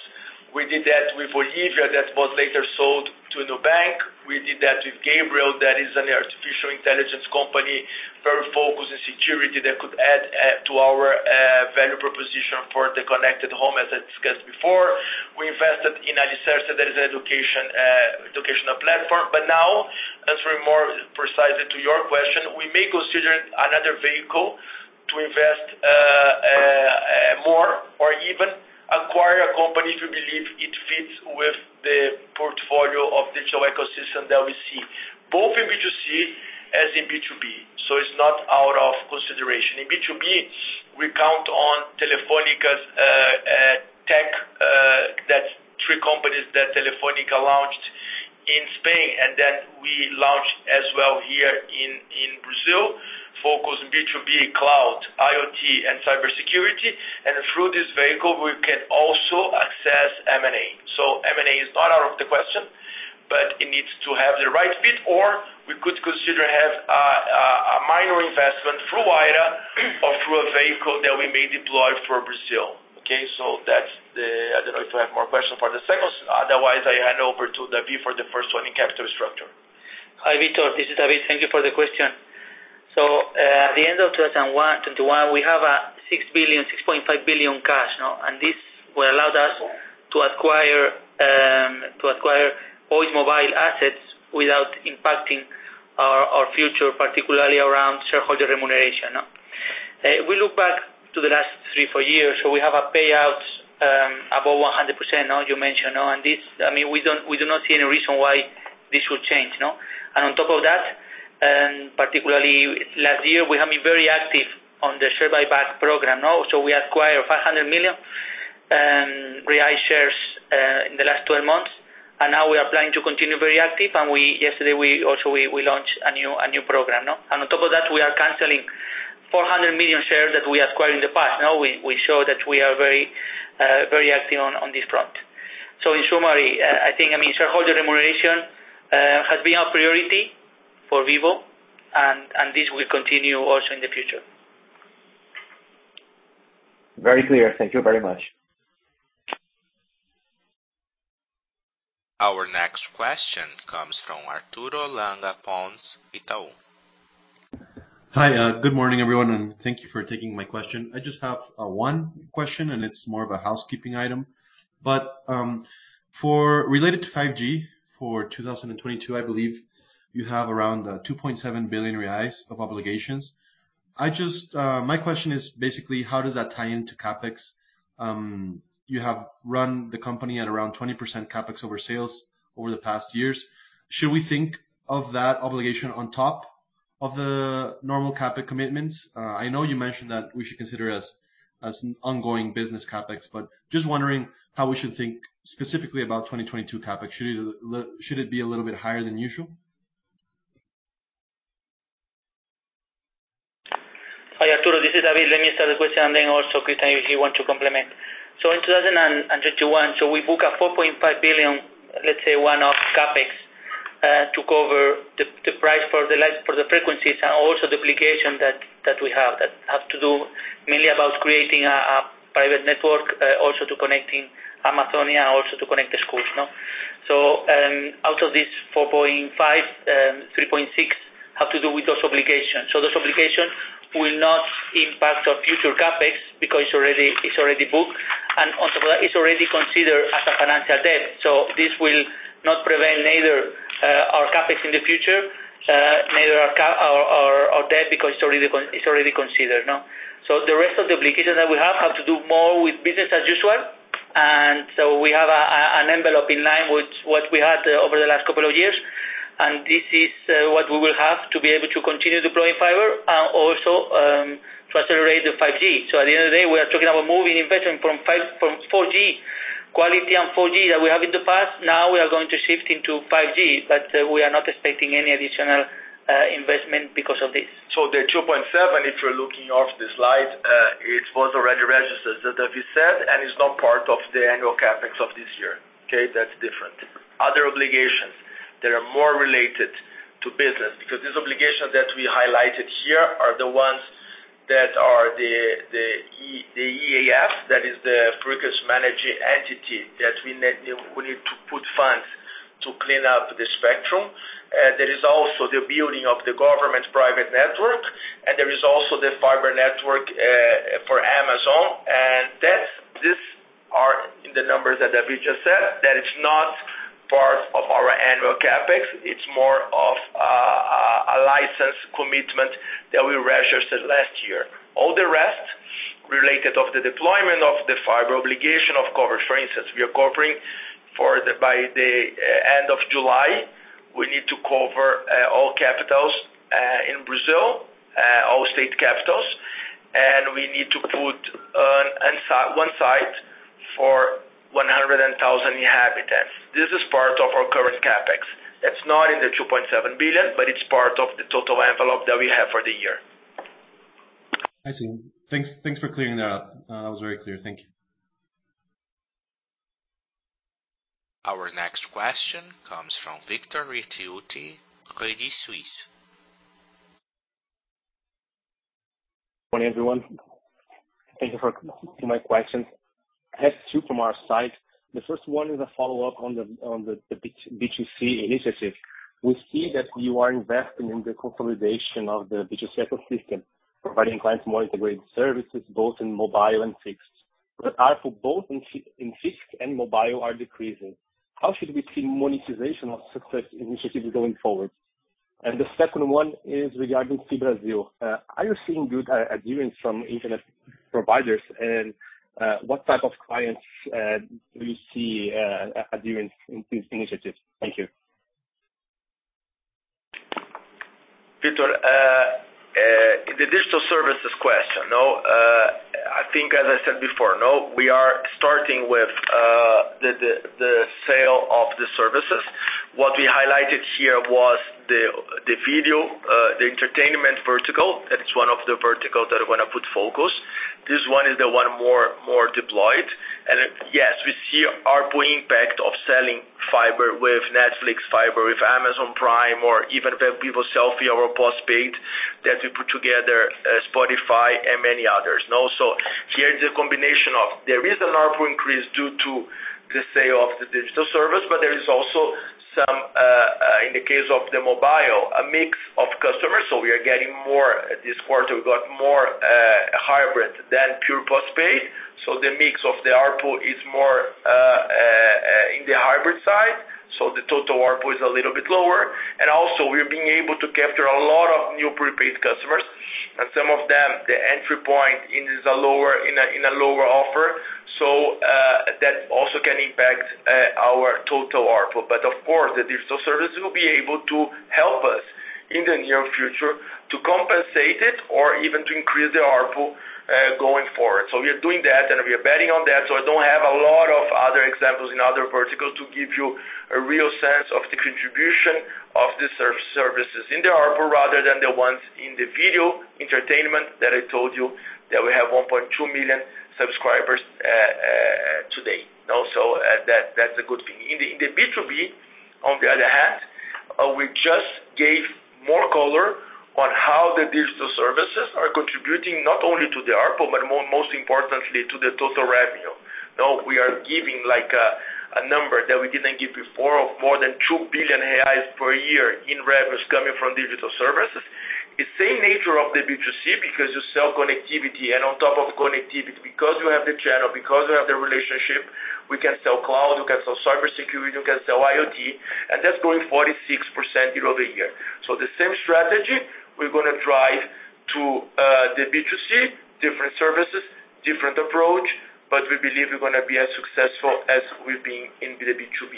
We did that with Olivia that was later sold to Nubank. We did that with Gabriel, that is an artificial intelligence company, very focused in security that could add to our value proposition for the connected home, as I discussed before. We invested in Alicerce, that is an educational platform. Now, answering more precisely to your question, we may consider another vehicle to invest more or even acquire a company if we believe it fits with the portfolio of digital ecosystem that we see, both in B2C as in B2B. It's not out of consideration. In B2B, we count on Telefônica's Tech, that's three companies that Telefônica launched in Spain, and then we launched as well here in Brazil, focused on B2B, cloud, IoT, and cybersecurity. Through this vehicle, we can also access M&A. M&A is not out of the question, but it needs to have the right fit, or we could consider have a minor investment through Wayra or through a vehicle that we may deploy for Brazil, okay? That's the, I don't know if you have more question for the second. Otherwise, I hand over to David for the first one in capital structure. Hi, Vitor. This is David. Thank you for the question. At the end of 2021, we have 6.5 billion cash, no? This will allow us to acquire Oi mobile assets without impacting our future, particularly around shareholder remuneration, no? We look back to the last three, four years. We have a payout above 100%, no, you mentioned, no. This, I mean, we don't, we do not see any reason why this would change, no? On top of that, particularly last year, we have been very active on the share buyback program, no. We acquired 500 million shares in the last 12 months. Now we are planning to continue very active. Yesterday we also launched a new program, no? On top of that, we are canceling 400 million shares that we acquired in the past. Now we show that we are very active on this front. In summary, I think, I mean, shareholder remuneration has been our priority for Vivo, and this will continue also in the future. Very clear. Thank you very much. Our next question comes from Arturo Langa of Itaú. Hi. Good morning, everyone, and thank you for taking my question. I just have one question, and it's more of a housekeeping item. Related to 5G for 2022, I believe you have around 2.7 billion reais of obligations. Just, my question is basically how does that tie into CapEx? You have run the company at around 20% CapEx over sales over the past years. Should we think of that obligation on top of the normal CapEx commitments? I know you mentioned that we should consider it as ongoing business CapEx, but just wondering how we should think specifically about 2022 CapEx. Should it be a little bit higher than usual? Hi, Arturo, this is David. Let me start the question, and then also Christian if you want to complement. In 2021, we book 4.5 billion, let's say one-off CapEx, to cover the price for the frequencies and also the obligation that we have to do mainly about creating a private network, also to connecting Amazonia, also to connect the schools, no? Out of this 4.5 billion, 3.6 billion have to do with those obligations. Those obligations will not impact our future CapEx because it's already booked, and on top of that it's already considered as a financial debt. This will not prevent neither our CapEx in the future, neither our debt because it's already considered, no? The rest of the obligations that we have have to do more with business as usual. We have an envelope in line with what we had over the last couple of years. This is what we will have to be able to continue deploying fiber and also to accelerate the 5G. At the end of the day, we are talking about moving investment from 4G, quality and 4G that we have in the past. Now we are going to shift into 5G, but we are not expecting any additional investment because of this. The 2.7, if you're looking off the slide, was already registered, as David said, and it's not part of the annual CapEx of this year, okay? That's different. Other obligations that are more related to business, because these obligations that we highlighted here are the ones that are the EAS, that is the Frequency Managing Entity that we need to put funds to clean up the spectrum. There is also the building of the government private network, and there is also the fiber network for Amazon. These are in the numbers that David just said, that it's not part of our annual CapEx. It's more of a license commitment that we registered last year. All the rest related to the deployment of the fiber obligation of coverage. For instance, we are covering, by the end of July, we need to cover all capitals in Brazil, all state capitals, and we need to put one site for 100,000 inhabitants. This is part of our current CapEx. It's not in the 2.7 billion, but it's part of the total envelope that we have for the year. I see. Thanks for clearing that up. That was very clear. Thank you. Our next question comes from Victor Ricciotti, Credit Suisse. Morning, everyone. Thank you for taking my questions. I have two from our side. The first one is a follow-up on the B2C initiative. We see that you are investing in the consolidation of the B2C ecosystem, providing clients more integrated services, both in mobile and fixed. The ARPU both in fixed and mobile are decreasing. How should we see monetization of success initiatives going forward? The second one is regarding FiBrasil. Are you seeing good adherence from internet providers? What type of clients do you see adhering in this initiative? Thank you. Victor, the digital services question? I think as I said before, we are starting with the sale of the services. What we highlighted here was the video, the entertainment vertical. That is one of the vertical that we're gonna put focus. This one is the one more deployed. Yes, we see ARPU impact of selling fiber with Netflix, fiber with Amazon Prime, or even the Vivo Selfie or postpaid that we put together, Spotify and many others. Here is a combination of there is an ARPU increase due to the sale of the digital service, but there is also some in the case of the mobile, a mix of customers. This quarter, we got more hybrid than pure postpaid. The mix of the ARPU is more in the hybrid side. The total ARPU is a little bit lower. We're being able to capture a lot of new prepaid customers. Some of them, the entry point is lower, in a lower offer. That also can impact our total ARPU. Of course, the digital service will be able to help us in the near future to compensate it or even to increase the ARPU going forward. We are doing that, and we are betting on that. I don't have a lot of other examples in other verticals to give you a real sense of the contribution of the services in the ARPU rather than the ones in the video entertainment that I told you that we have 1.2 million subscribers today. Also, that's a good thing. In the B2B, on the other hand, we just gave more color on how the digital services are contributing not only to the ARPU, but most importantly, to the total revenue. Now, we are giving like a number that we didn't give before of more than 2 billion reais per year in revenues coming from digital services. The same nature of the B2C, because you sell connectivity. On top of connectivity, because you have the channel, because you have the relationship, we can sell cloud, we can sell cybersecurity, we can sell IoT, and that's growing 46% year over year. The same strategy we're gonna drive to the B2C, different services, different approach, but we believe we're gonna be as successful as we've been in the B2B.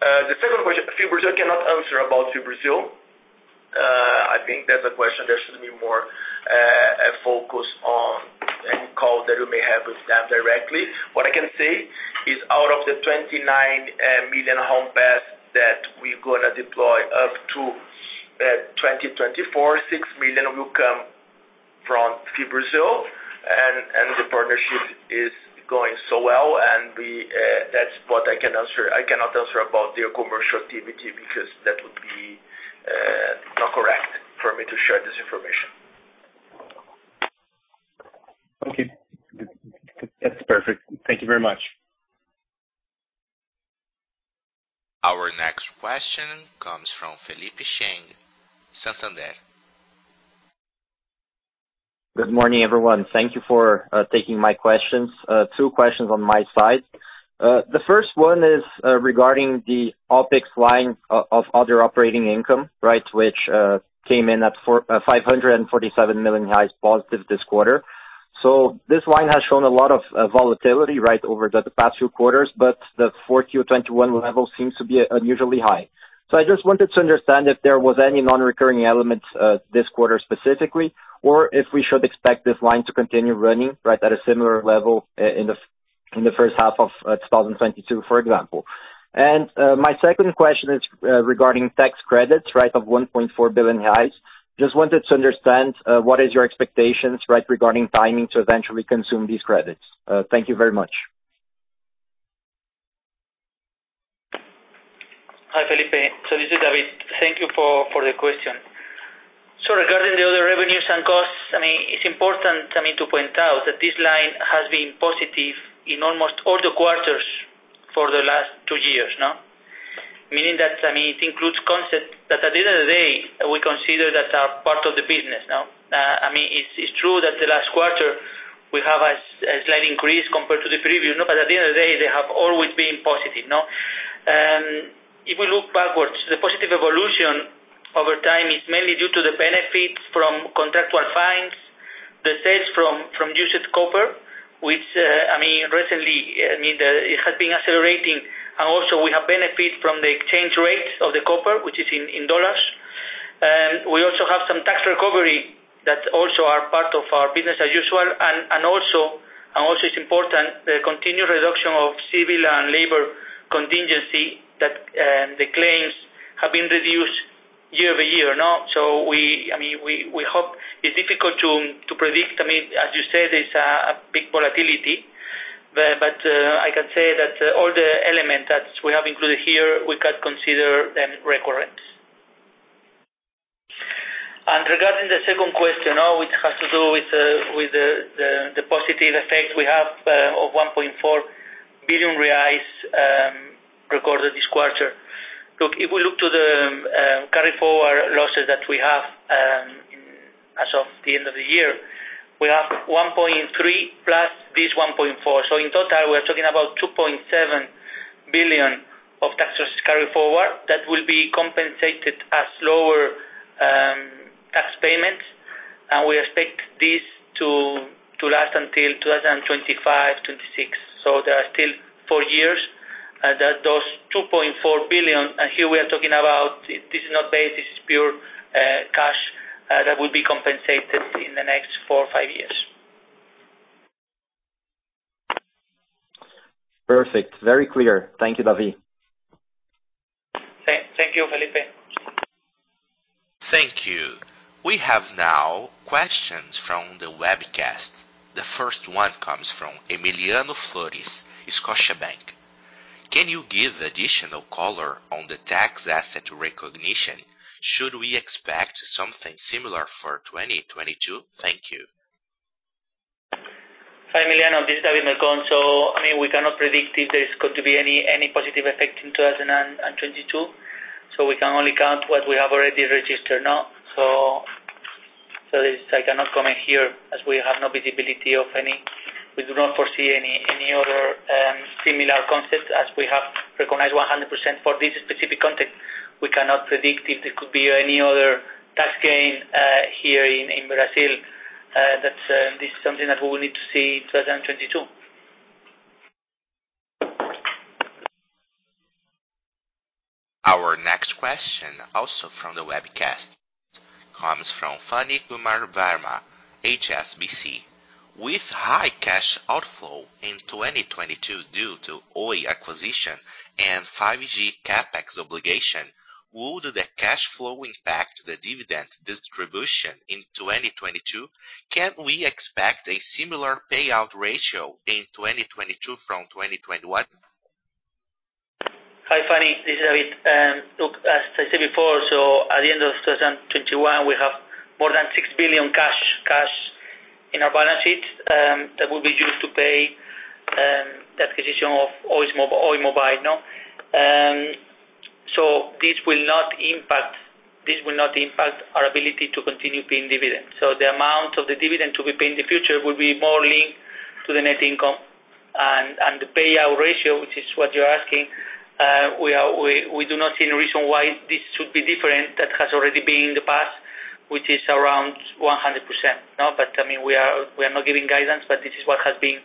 The second question, FiBrasil, cannot answer about FiBrasil. I think that's a question there should be more focus on in call that you may have with them directly. What I can say is out of the 29 million home passed that we're gonna deploy up to 2024, 6 million will come from FiBrasil. The partnership is going so well. That's what I can answer. I cannot answer about their commercial activity because that would be not correct for me to share this information. Okay. That's perfect. Thank you very much. Our next question comes from Felipe Cheng, Santander. Good morning, everyone. Thank you for taking my questions. Two questions on my side. The first one is regarding the OpEx line of other operating income, right? Which came in at 547 million positive this quarter. This line has shown a lot of volatility, right, over the past few quarters, but the 4Q 2021 level seems to be unusually high. I just wanted to understand if there was any non-recurring elements this quarter specifically, or if we should expect this line to continue running, right, at a similar level in the first half of 2022, for example. My second question is regarding tax credits, right? Of 1.4 billion reais. Just wanted to understand what is your expectations, right, regarding timing to eventually consume these credits? Thank you very much. Hi, Felipe. This is David. Thank you for the question. Regarding the other revenues and costs, I mean, it's important, I mean, to point out that this line has been positive in almost all the quarters for the last two years, no? Meaning that, I mean, it includes concepts that at the end of the day, we consider that are part of the business, no? I mean, it's true that the last quarter we have a slight increase compared to the previous, you know, but at the end of the day, they have always been positive, no? If we look backwards, the positive evolution over time is mainly due to the benefits from contractual fines, the sales from used copper, which, I mean, recently, I mean, it has been accelerating. We have benefited from the exchange rate of the copper, which is in dollars. We also have some tax recovery that also are part of our business as usual. It's important, the continued reduction of civil and labor contingency that the claims have been reduced year-over-year, no? I mean, we hope. It's difficult to predict. I mean, as you said, it's a big volatility. I can say that all the elements that we have included here, we can consider them recurrent. Regarding the second question now, which has to do with the positive effect we have of 1.4 billion reais recorded this quarter. Look, if we look to the carry forward losses that we have, as of the end of the year, we have 1.3 billion plus this 1.4 billion. In total, we're talking about 2.7 billion of tax carry forward that will be compensated as lower tax payments. We expect this to last until 2025, 2026. There are still four years that those 2.4 billion, and here we are talking about this is not base, this is pure cash that will be compensated in the next four or five years. Perfect. Very clear. Thank you, David. Thank you, Felipe. Thank you. We have now questions from the webcast. The first one comes from [Emelremio] Flores, Scotiabank. Can you give additional color on the tax asset recognition? Should we expect something similar for 2022? Thank you. Hi, [Emelremio], this is David Melcon. I mean, we cannot predict if there's going to be any positive effect in 2022. We can only count what we have already registered now. It's like, I cannot comment here as we have no visibility of any. We do not foresee any other similar concept as we have recognized 100% for this specific context. We cannot predict if there could be any other tax gain here in Brazil. That is something that we will need to see in 2022. Our next question, also from the webcast, comes from Phani Kumar, HSBC. With high cash outflow in 2022 due to Oi acquisition and 5G CapEx obligation, would the cash flow impact the dividend distribution in 2022? Can we expect a similar payout ratio in 2022 from 2021? Hi, Phani, this is David. Look, as I said before, at the end of 2021, we have more than 6 billion cash in our balance sheet that will be used to pay the acquisition of Oi mobile, you know. This will not impact our ability to continue paying dividends. The amount of the dividend to be paid in the future will be more linked to the net income. The payout ratio, which is what you're asking, we do not see any reason why this should be different that has already been in the past, which is around 100%. No, I mean, we are not giving guidance, but this is what has been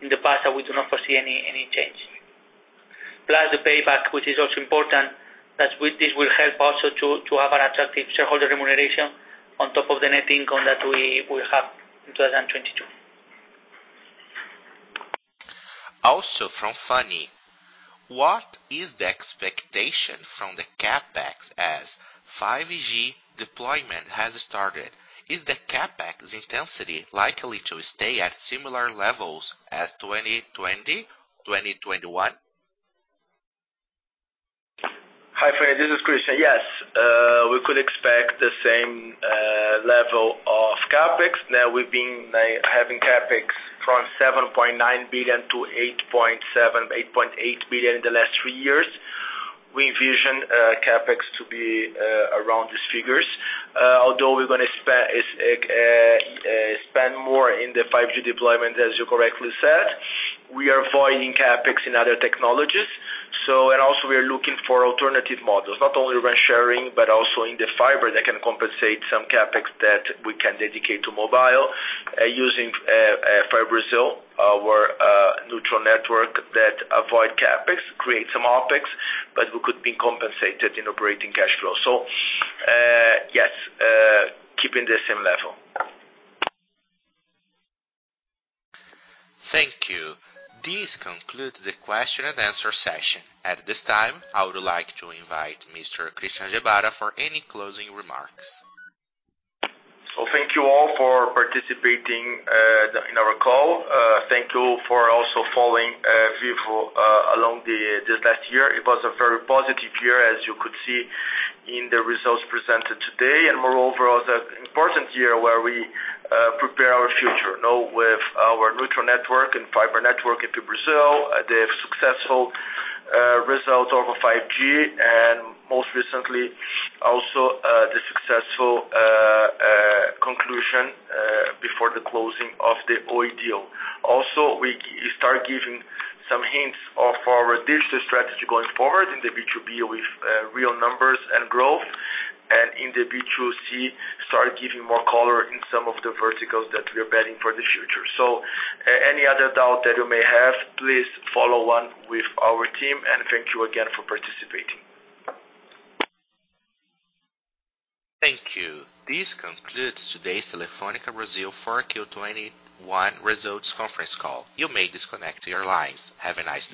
in the past, and we do not foresee any change. Plus the payback, which is also important, that with this will help also to have an attractive shareholder remuneration on top of the net income that we will have in 2022. Also from Phani. What is the expectation for the CapEx as 5G deployment has started? Is the CapEx intensity likely to stay at similar levels as 2020, 2021? Hi, Phani, this is Christian. Yes, we could expect the same level of CapEx. Now, we've been having CapEx from 7.9 billion to 8.7 billion-8.8 billion in the last three years. We envision CapEx to be around these figures. Although we're gonna spend more in the 5G deployment, as you correctly said. We are avoiding CapEx in other technologies. Also we are looking for alternative models, not only rent sharing, but also in the fiber that can compensate some CapEx that we can dedicate to mobile, using FiBrasil, our neutral network that avoid CapEx, create some OpEx, but we could be compensated in operating cash flow. Yes, keeping the same level. Thank you. This concludes the question and answer session. At this time, I would like to invite Mr. Christian Gebara for any closing remarks. Thank you all for participating in our call. Thank you for also following Vivo along this last year. It was a very positive year as you could see in the results presented today. It was an important year where we prepare our future. Now with our neutral network and fiber network into Brazil, the successful result of 5G, and most recently, also the successful conclusion before the closing of the Oi deal. We start giving some hints of our digital strategy going forward in the B2B with real numbers and growth, and in the B2C, start giving more color in some of the verticals that we are betting for the future. Any other doubt that you may have, please follow on with our team, and thank you again for participating. Thank you. This concludes today's Telefónica Brasil 4Q21 Results Conference Call. You may disconnect your line. Have a nice day.